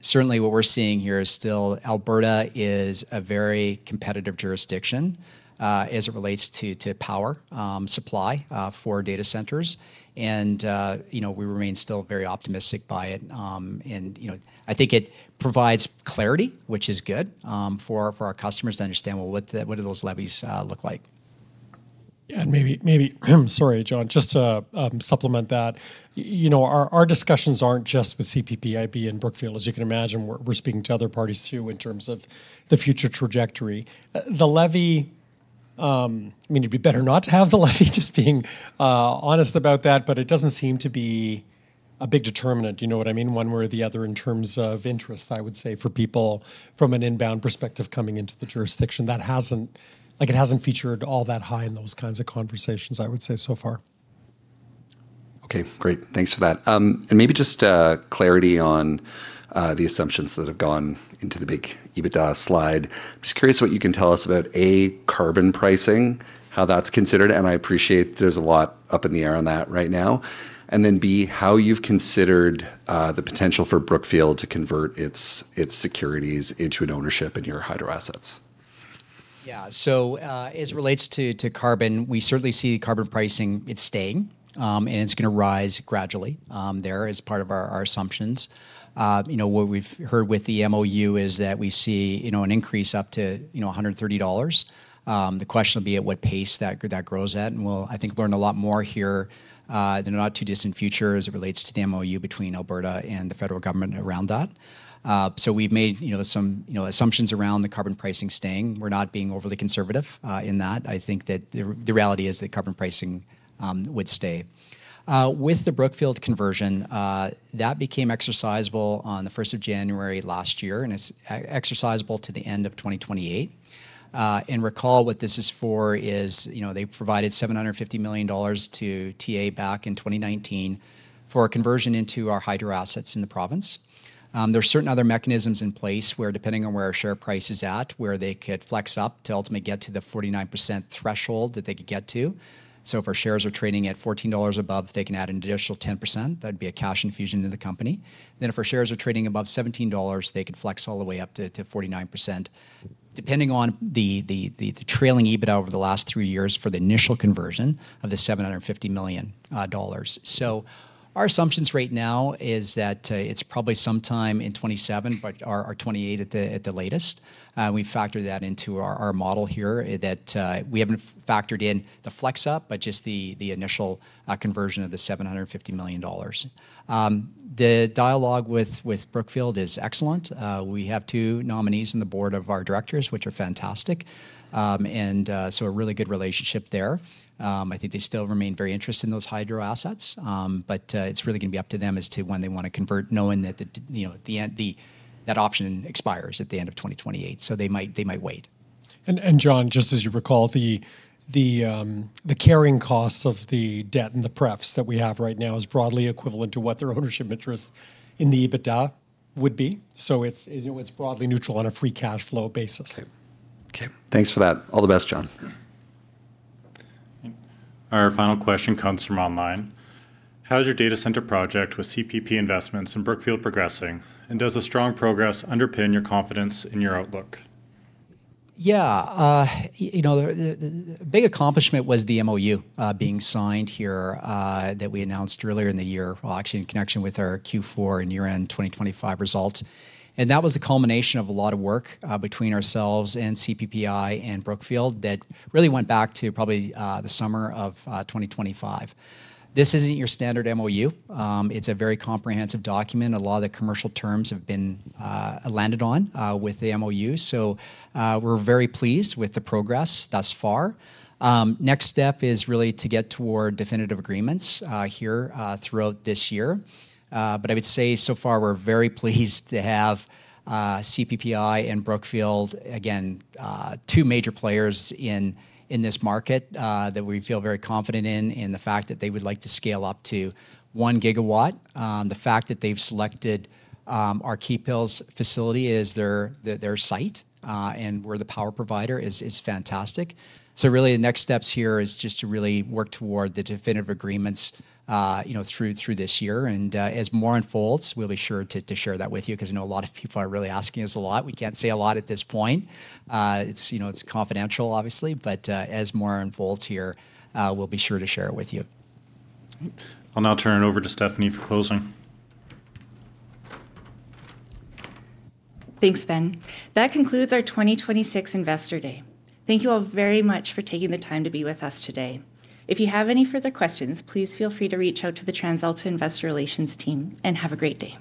Certainly what we're seeing here is still Alberta is a very competitive jurisdiction, as it relates to power supply for data centers. You know, we remain still very optimistic by it. You know, I think it provides clarity, which is good, for our customers to understand, well, what do those levies look like. Maybe, sorry, John, just to supplement that. You know, our discussions aren't just with CPPIB and Brookfield. As you can imagine, we're speaking to other parties too in terms of the future trajectory. The levy, I mean, it'd be better not to have the levy, just being honest about that but it doesn't seem to be a big determinant. Do you know what I mean? One way or the other in terms of interest, I would say, for people from an inbound perspective coming into the jurisdiction. Like, it hasn't featured all that high in those kinds of conversations, I would say, so far. Okay. Great. Thanks for that. Maybe just clarity on the assumptions that have gone into the big EBITDA slide. Just curious what you can tell us about A, carbon pricing, how that's considered and I appreciate there's a lot up in the air on that right now and then B, how you've considered the potential for Brookfield to convert its securities into an ownership in your hydro assets. Yeah. As it relates to carbon, we certainly see carbon pricing. It's staying and it's gonna rise gradually there as part of our assumptions. You know, what we've heard with the MOU is that we see you know an increase up to you know 130 dollars. The question will be at what pace that grows at and we'll I think learn a lot more here in the not too distant future as it relates to the MOU between Alberta and the federal government around that. We've made you know some you know assumptions around the carbon pricing staying. We're not being overly conservative in that. I think that the reality is that carbon pricing would stay. With the Brookfield conversion, that became exercisable on the 1 January last year and it's exercisable to the end of 2028. Recall what this is for is, you know, they provided 750 million dollars to TA back in 2019 for a conversion into our hydro assets in the province. There are certain other mechanisms in place where, depending on where our share price is at, where they could flex up to ultimately get to the 49% threshold that they could get to. If our shares are trading at 14 dollars above, they can add an additional 10%. That'd be a cash infusion to the company. If our shares are trading above 17 dollars, they could flex all the way up to 49%, depending on the trailing EBITDA over the last three years for the initial conversion of 750 million dollars. Our assumptions right now is that it's probably sometime in 2027 or 2028 at the latest. We factor that into our model here that we haven't factored in the flex up but just the initial conversion of 750 million dollars. The dialogue with Brookfield is excellent. We have two nominees on the Board of Directors, which are fantastic. A really good relationship there. I think they still remain very interested in those hydro assets. It's really gonna be up to them as to when they wanna convert, knowing that you know, at the end, that option expires at the end of 2028. They might wait. John, just as you recall, the carrying costs of the debt and the prefs that we have right now is broadly equivalent to what their ownership interest in the EBITDA would be. It's, you know, it's broadly neutral on a Free Cash Flow basis. Okay. Thanks for that. All the best, John. Our final question comes from online. How is your data center project with CPP Investments and Brookfield progressing? And does the strong progress underpin your confidence in your outlook? You know, the big accomplishment was the MOU being signed here that we announced earlier in the year. Well, actually in connection with our Q4 and year-end 2025 results. That was the culmination of a lot of work between ourselves and CPPIB and Brookfield that really went back to probably the summer of 2025. This isn't your standard MOU. It's a very comprehensive document. A lot of the commercial terms have been landed on with the MOU. We're very pleased with the progress thus far. Next step is really to get toward definitive agreements here throughout this year. I would say so far we're very pleased to have CPPIB and Brookfield, again, two major players in this market that we feel very confident in the fact that they would like to scale up to 1 GW. The fact that they've selected our Keephills facility as their site and we're the power provider is fantastic. Really the next steps here is just to really work toward the definitive agreements, you know, through this year. As more unfolds, we'll be sure to share that with you because I know a lot of people are really asking us a lot. We can't say a lot at this point. It's you know it's confidential obviously but as more unfolds here, we'll be sure to share it with you. I'll now turn it over to Stephanie for closing. Thanks, Ben. That concludes our 2026 Investor Day. Thank you all very much for taking the time to be with us today. If you have any further questions, please feel free to reach out to the TransAlta Investor Relations team and have a great day.